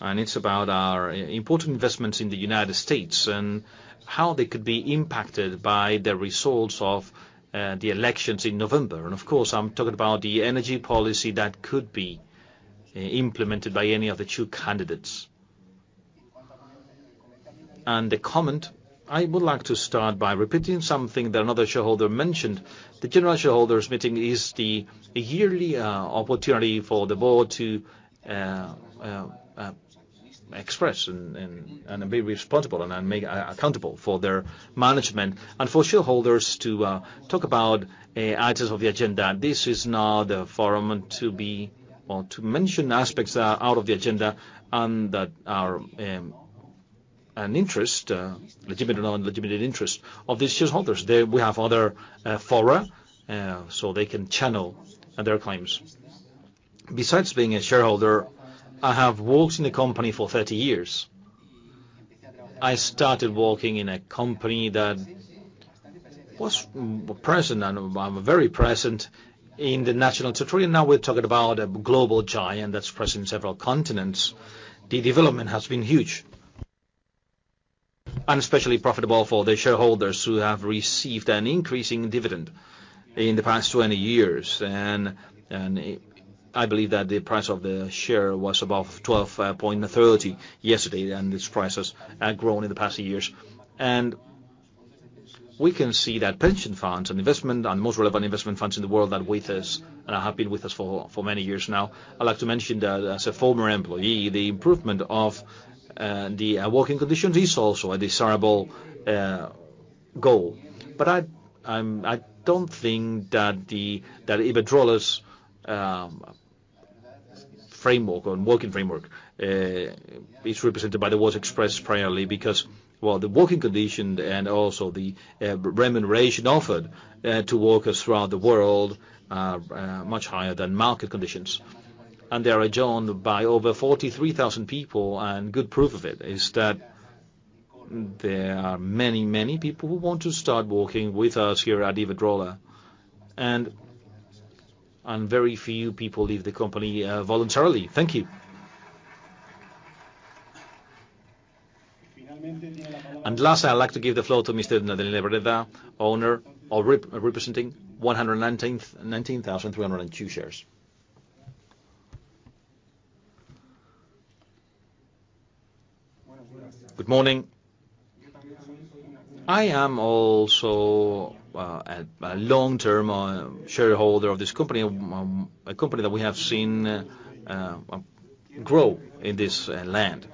it's about our important investments in the United States and how they could be impacted by the results of the elections in November. And of course, I'm talking about the energy policy that could be implemented by any of the two candidates. The comment, I would like to start by repeating something that another shareholder mentioned: the general shareholders meeting is the yearly opportunity for the board to express and be responsible and make accountable for their management, and for shareholders to talk about items of the agenda. This is not the forum to be or to mention aspects that are out of the agenda and that are a legitimate or non-legitimate interest of the shareholders. There we have other fora, so they can channel their claims. Besides being a shareholder, I have worked in the company for 30 years. I started working in a company that was present, and very present in the national territory, and now we're talking about a global giant that's present in several continents. The development has been huge and especially profitable for the shareholders, who have received an increasing dividend in the past 20 years. I believe that the price of the share was above 12.4 yesterday, and this price has grown in the past few years. We can see that pension funds and investment, and most relevant investment funds in the world, are with us and have been with us for many years now. I'd like to mention that as a former employee, the improvement of the working conditions is also a desirable goal. But I don't think that Iberdrola's framework or working framework is represented by the words expressed priorly, because, well, the working conditions and also the remuneration offered to workers throughout the world are much higher than market conditions. They are joined by over 43,000 people, and good proof of it is that there are many, many people who want to start working with us here at Iberdrola, and very few people leave the company, voluntarily.
Thank you. Last, I'd like to give the floor to Mr. Nadine Lebereda, owner or representing 119,302 shares.
Good morning. I am also a long-term shareholder of this company, a company that we have seen grow in this land,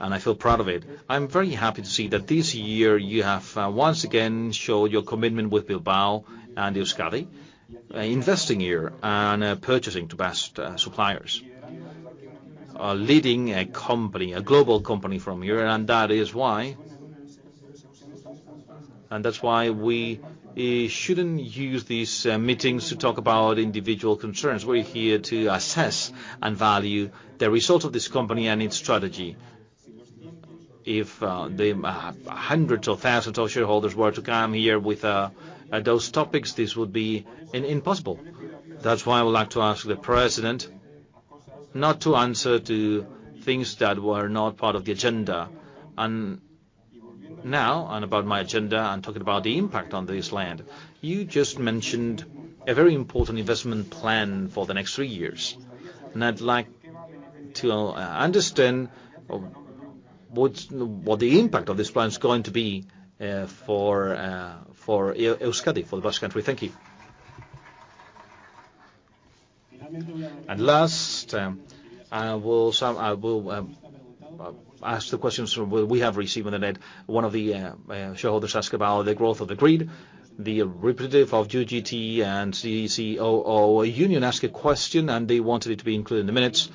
and I feel proud of it. I'm very happy to see that this year you have once again showed your commitment with Bilbao and Euskadi, investing here and purchasing to best suppliers. Leading a company, a global company from here, and that is why... And that's why we shouldn't use these meetings to talk about individual concerns. We're here to assess and value the results of this company and its strategy. If the hundreds of thousands of shareholders were to come here with those topics, this would be impossible. That's why I would like to ask the President not to answer to things that were not part of the agenda. Now, about my agenda, I'm talking about the impact on this land. You just mentioned a very important investment plan for the next three years, and I'd like to understand what the impact of this plan is going to be for Euskadi, for the Basque Country.
Thank you. And last, I will ask the questions we have received on the net. One of the shareholders asked about the growth of the grid. The representative of UGT and CC OO union asked a question, and they wanted it to be included in the minutes,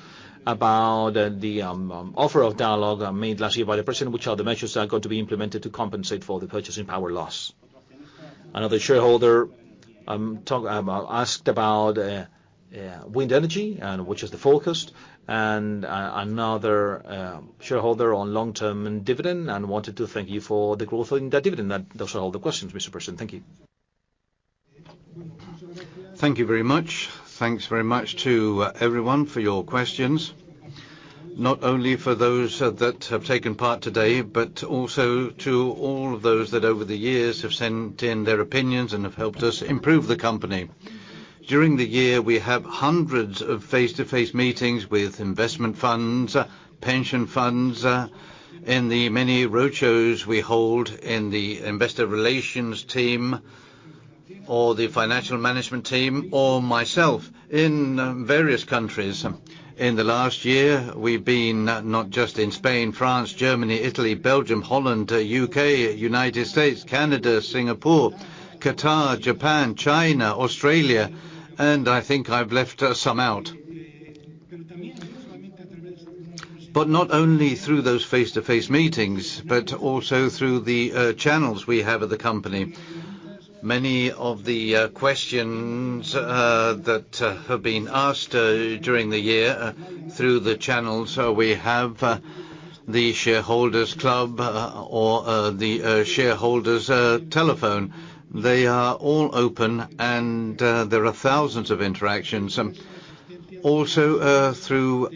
about the offer of dialogue made last year by the president, which are the measures that are going to be implemented to compensate for the purchasing power loss? Another shareholder asked about wind energy and which is the forecast, and another shareholder on long-term dividend and wanted to thank you for the growth in the dividend. Those are all the questions, Mr President. Thank you.
Thank you very much. Thanks very much to everyone for your questions, not only for those that have taken part today, but also to all of those that over the years have sent in their opinions and have helped us improve the company. During the year, we have hundreds of face-to-face meetings with investment funds, pension funds, in the many roadshows we hold in the investor relations team or the financial management team or myself in various countries. In the last year, we've been not just in Spain, France, Germany, Italy, Belgium, Holland, U.K., United States, Canada, Singapore, Qatar, Japan, China, Australia, and I think I've left some out.... But not only through those face-to-face meetings, but also through the channels we have at the company. Many of the questions that have been asked during the year through the channels, so we have the Shareholders Club or the shareholders telephone. They are all open, and there are thousands of interactions. Also through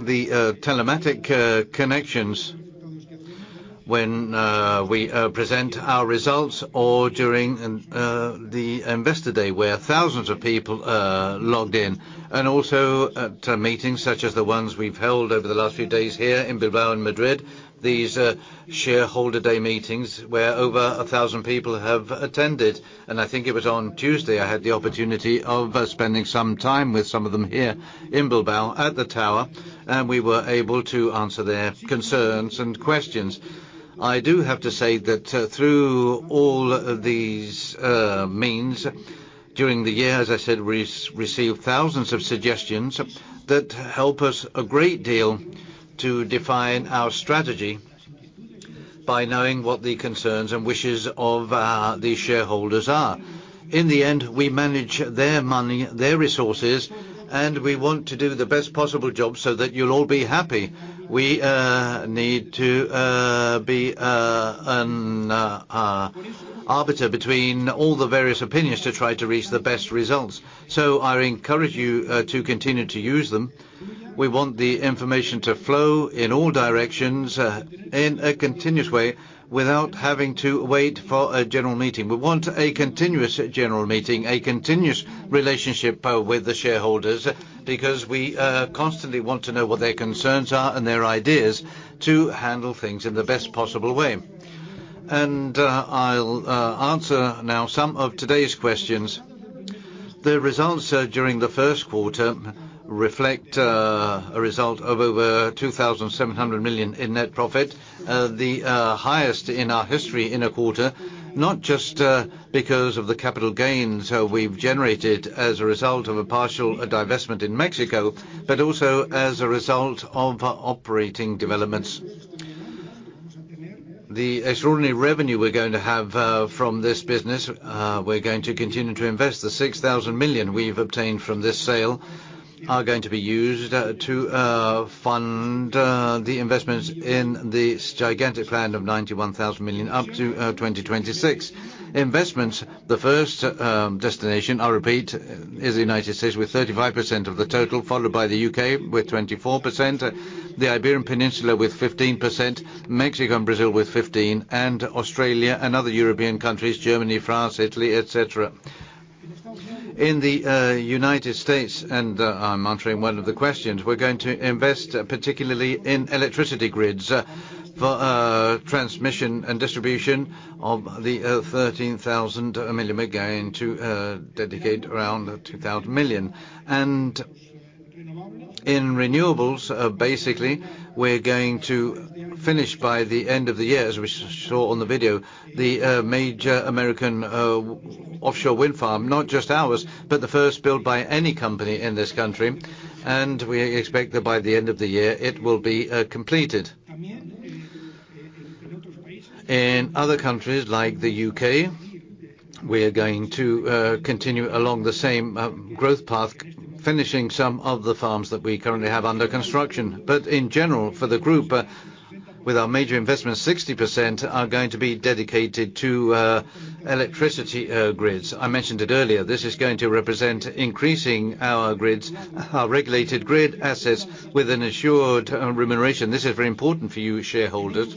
the telematic connections, when we present our results or during the Investor Day, where thousands of people logged in, and also to meetings such as the ones we've held over the last few days here in Bilbao and Madrid. These shareholder day meetings, where over a thousand people have attended. And I think it was on Tuesday, I had the opportunity of spending some time with some of them here in Bilbao at the tower, and we were able to answer their concerns and questions. I do have to say that through all these means, during the year, as I said, we received thousands of suggestions that help us a great deal to define our strategy by knowing what the concerns and wishes of the shareholders are. In the end, we manage their money, their resources, and we want to do the best possible job so that you'll all be happy. We need to be an arbiter between all the various opinions to try to reach the best results. So I encourage you to continue to use them. We want the information to flow in all directions in a continuous way, without having to wait for a general meeting. We want a continuous general meeting, a continuous relationship, with the shareholders, because we constantly want to know what their concerns are and their ideas to handle things in the best possible way. And, I'll answer now some of today's questions. The results during the first quarter reflect a result of over 2,700 million in net profit. The highest in our history in a quarter, not just because of the capital gains we've generated as a result of a partial divestment in Mexico, but also as a result of operating developments. The extraordinary revenue we're going to have from this business, we're going to continue to invest. The 6,000 million we've obtained from this sale are going to be used to fund the investments in this gigantic plan of 91,000 million up to 2026. Investments, the first destination, I'll repeat, is the United States, with 35% of the total, followed by the U.K. with 24%, the Iberian Peninsula with 15%, Mexico and Brazil with 15, and Australia and other European countries, Germany, France, Italy, et cetera. In the United States, and I'm answering one of the questions, we're going to invest, particularly in electricity grids, for transmission and distribution of the 13,000 million we're going to dedicate around 2,000 million. In renewables, basically, we're going to finish by the end of the year, as we saw on the video, the major American offshore wind farm. Not just ours, but the first built by any company in this country, and we expect that by the end of the year, it will be completed. In other countries, like the UK, we are going to continue along the same growth path, finishing some of the farms that we currently have under construction. But in general, for the group, with our major investments, 60% are going to be dedicated to electricity grids. I mentioned it earlier, this is going to represent increasing our grids, our regulated grid assets, with an assured remuneration. This is very important for you shareholders.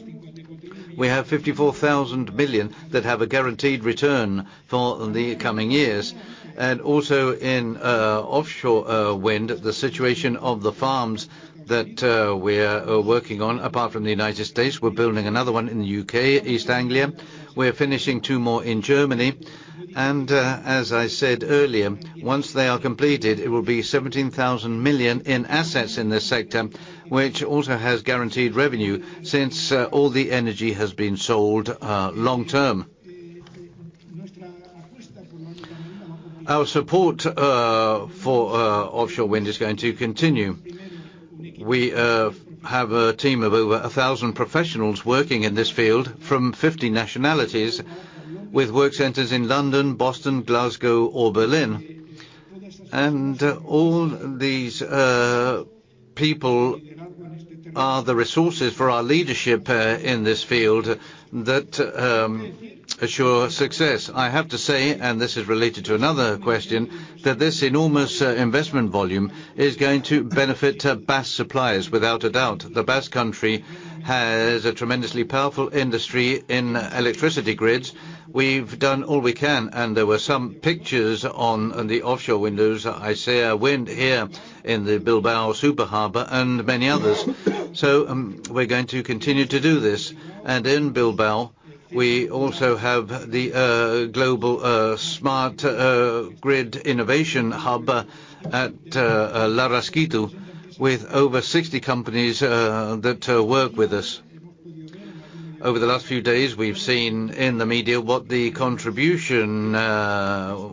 We have 54 billion that have a guaranteed return for the coming years. Also in offshore wind, the situation of the farms that we're working on, apart from the United States, we're building another one in the UK, East Anglia. We're finishing two more in Germany, and as I said earlier, once they are completed, it will be 17 billion in assets in this sector, which also has guaranteed revenue since all the energy has been sold long term. Our support for offshore wind is going to continue. We have a team of over 1,000 professionals working in this field from 50 nationalities, with work centers in London, Boston, Glasgow, or Berlin. And all these people are the resources for our leadership in this field that assure success. I have to say, and this is related to another question, that this enormous investment volume is going to benefit Basque suppliers, without a doubt. The Basque Country has a tremendously powerful industry in electricity grids. We've done all we can, and there were some pictures on the offshore wind ones. I see a wind here in the Bilbao Super Harbor and many others. So, we're going to continue to do this. And in Bilbao, we also have the Global Smart Grid Innovation Hub at Larraskitu, with over 60 companies that work with us. Over the last few days, we've seen in the media what the contribution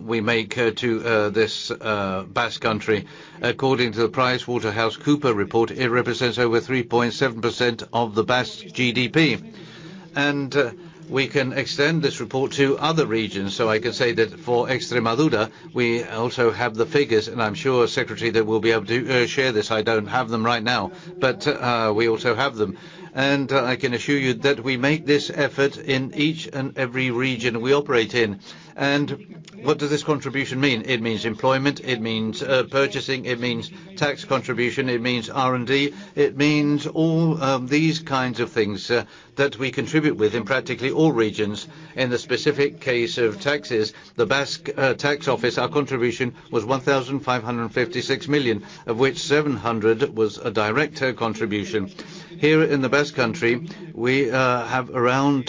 we make to this Basque Country. According to the PricewaterhouseCoopers report, it represents over 3.7% of the Basque GDP. And we can extend this report to other regions. So I can say that for Extremadura, we also have the figures, and I'm sure, Secretary, that we'll be able to share this. I don't have them right now, but we also have them. And I can assure you that we make this effort in each and every region we operate in. And what does this contribution mean? It means employment, it means purchasing, it means tax contribution, it means R&D, it means all these kinds of things that we contribute with in practically all regions. In the specific case of taxes, the Basque Tax Office, our contribution was 1,556 million, of which 700 million was a direct contribution. Here in the Basque Country, we have around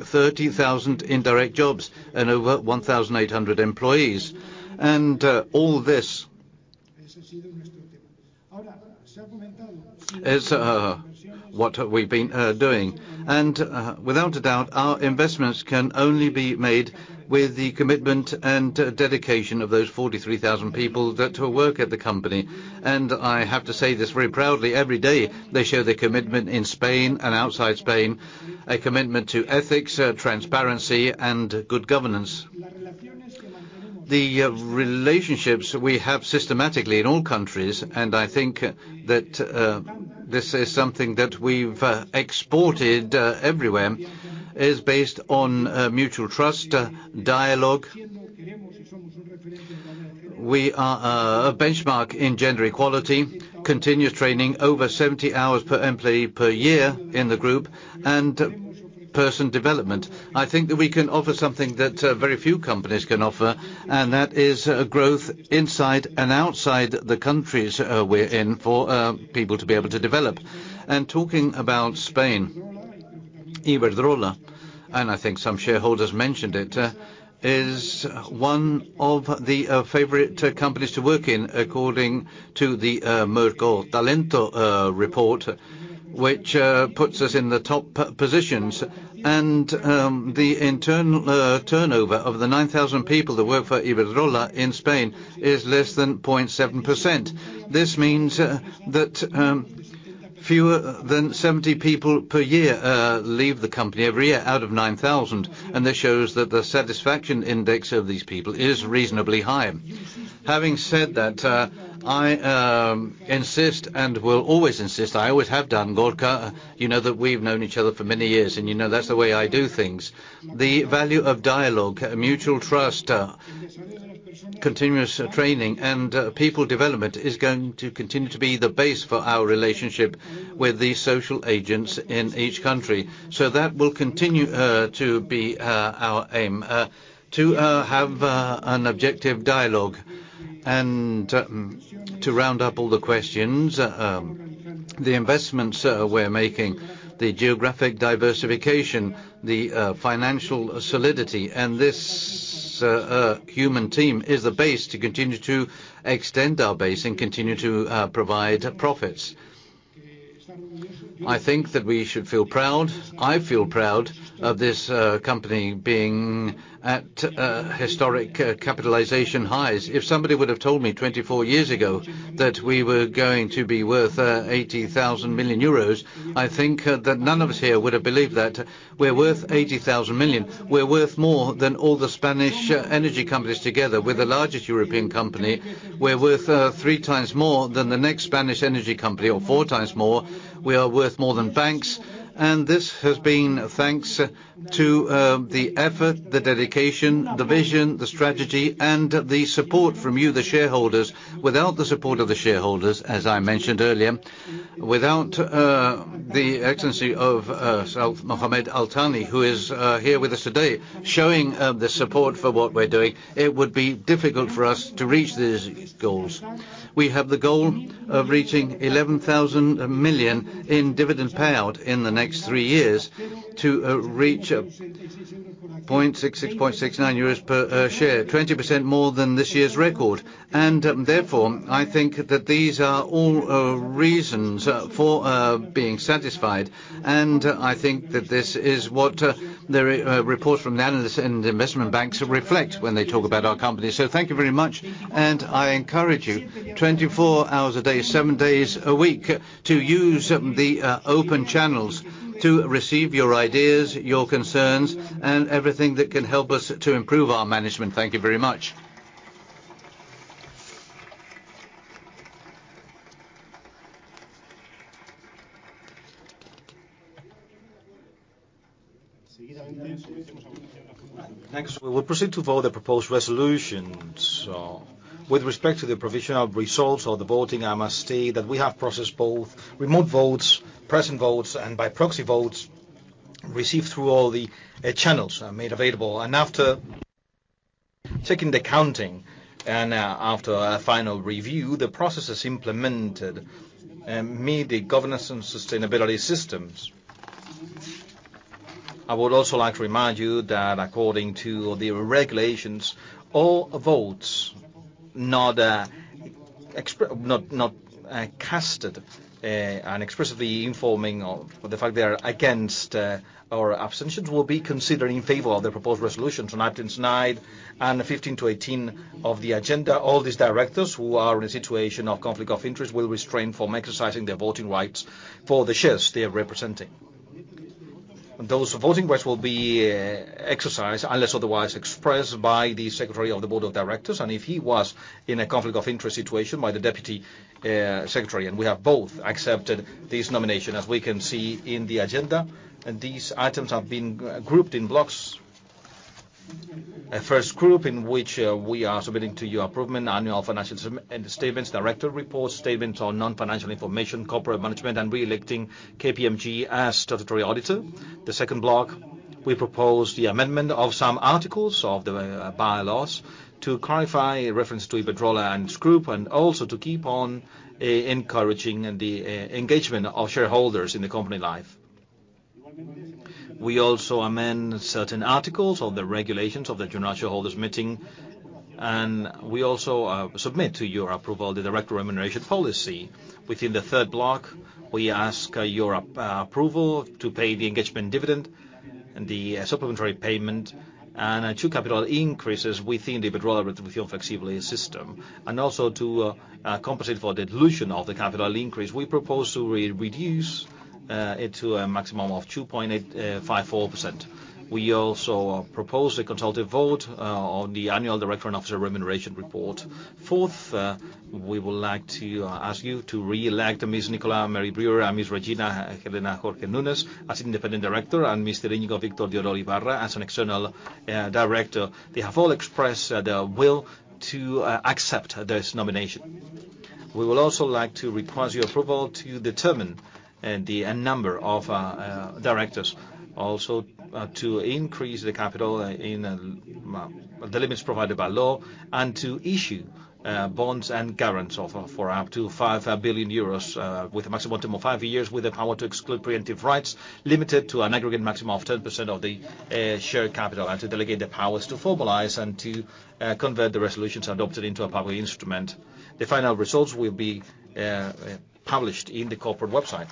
30,000 indirect jobs and over 1,800 employees. All this is, what have we been doing? Without a doubt, our investments can only be made with the commitment and dedication of those 43,000 people that work at the company. I have to say this very proudly: every day, they show their commitment in Spain and outside Spain, a commitment to ethics, transparency, and good governance. The relationships we have systematically in all countries, and I think that this is something that we've exported everywhere, is based on mutual trust, dialogue. We are a benchmark in gender equality, continuous training, over 70 hours per employee per year in the group, and personal development. I think that we can offer something that, very few companies can offer, and that is, growth inside and outside the countries we're in for, people to be able to develop. And talking about Spain, Iberdrola, and I think some shareholders mentioned it, is one of the, favorite companies to work in, according to the, Merco Talento, report, which, puts us in the top positions. And, the turnover of the 9,000 people that work for Iberdrola in Spain is less than 0.7%. This means, that, fewer than 70 people per year, leave the company every year out of 9,000, and this shows that the satisfaction index of these people is reasonably high. Having said that, I insist and will always insist, I always have done, Gorka, you know that we've known each other for many years, and you know that's the way I do things. The value of dialogue, mutual trust, continuous training, and people development is going to continue to be the base for our relationship with the social agents in each country. So that will continue to be our aim to have an objective dialogue. And to round up all the questions, the investments we're making, the geographic diversification, the financial solidity, and this human team is the base to continue to extend our base and continue to provide profits. I think that we should feel proud. I feel proud of this company being at historic capitalization highs. If somebody would have told me 24 years ago that we were going to be worth 80 billion euros, I think that none of us here would have believed that. We're worth 80 billion. We're worth more than all the Spanish energy companies together. We're the largest European company. We're worth three times more than the next Spanish energy company, or four times more. We are worth more than banks, and this has been thanks to the effort, the dedication, the vision, the strategy, and the support from you, the shareholders. Without the support of the shareholders, as I mentioned earlier, without the Excellency of Mohammed Al Thani, who is here with us today, showing the support for what we're doing, it would be difficult for us to reach these goals. We have the goal of reaching 11 billion in dividend payout in the next three years to reach 0.66-0.69 euros per share, 20% more than this year's record. Therefore, I think that these are all reasons for being satisfied. And I think that this is what the reports from the analysts and investment banks reflect when they talk about our company. So thank you very much, and I encourage you, 24 hours a day, 7 days a week, to use the open channels to receive your ideas, your concerns, and everything that can help us to improve our management. Thank you very much.
Next, we will proceed to vote the proposed resolutions. With respect to the provisional results of the voting, I must state that we have processed both remote votes, present votes, and by proxy votes received through all the channels made available. After checking the counting and after a final review, the processes implemented meet the governance and sustainability systems. I would also like to remind you that according to the regulations, all votes not cast and expressly informing of the fact they are against or abstentions will be considered in favor of the proposed resolution from items 9 and 15 to 18 of the agenda. All these directors who are in a situation of conflict of interest will refrain from exercising their voting rights for the shares they are representing. Those voting rights will be exercised, unless otherwise expressed by the Secretary of the Board of Directors, and if he was in a conflict of interest situation, by the Deputy Secretary, and we have both accepted this nomination, as we can see in the agenda. These items have been grouped in blocks. A first group, in which we are submitting to your approval, annual financial statements, director reports, statements on non-financial information, corporate management, and reelecting KPMG as statutory auditor. The second block, we propose the amendment of some articles of the bylaws to clarify reference to Iberdrola and its group, and also to keep on encouraging the engagement of shareholders in the company life. We also amend certain articles of theRegulations of the General Shareholders' Meeting, and we also submit to your approval the Director Remuneration Policy. Within the third block, we ask your approval to pay the Engagement Dividend and the supplementary payment, and two capital increases within the Iberdrola Flexible Remuneration system. Also to compensate for the dilution of the capital increase, we propose to reduce it to a maximum of 2.854%. We also propose a consultative vote on the annual director and officer remuneration report. Fourth, we would like to ask you to re-elect Ms. Nicola Mary Brewer and Ms. Regina Helena Jorge Nunes as independent director, and Mr. Íñigo Víctor de Oriol Ibarra as an external director. They have all expressed their will to accept this nomination. We will also like to request your approval to determine a number of directors, also to increase the capital in the limits provided by law, and to issue bonds and guarantees for up to 5 billion euros, with a maximum of 5 years, with the power to exclude preemptive rights, limited to an aggregate maximum of 10% of the share capital, and to delegate the powers to formalize and to convert the resolutions adopted into a public instrument. The final results will be published in the corporate website.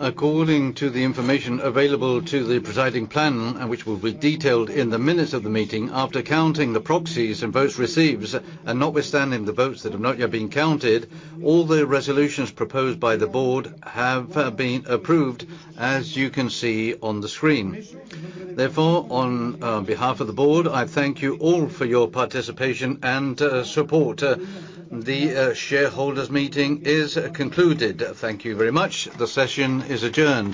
According to the information available to the presiding panel, and which will be detailed in the minutes of the meeting, after counting the proxies and votes received, and notwithstanding the votes that have not yet been counted, all the resolutions proposed by the board have been approved, as you can see on the screen. Therefore, on behalf of the board, I thank you all for your participation and support. The shareholders' meeting is concluded. Thank you very much. The session is adjourned.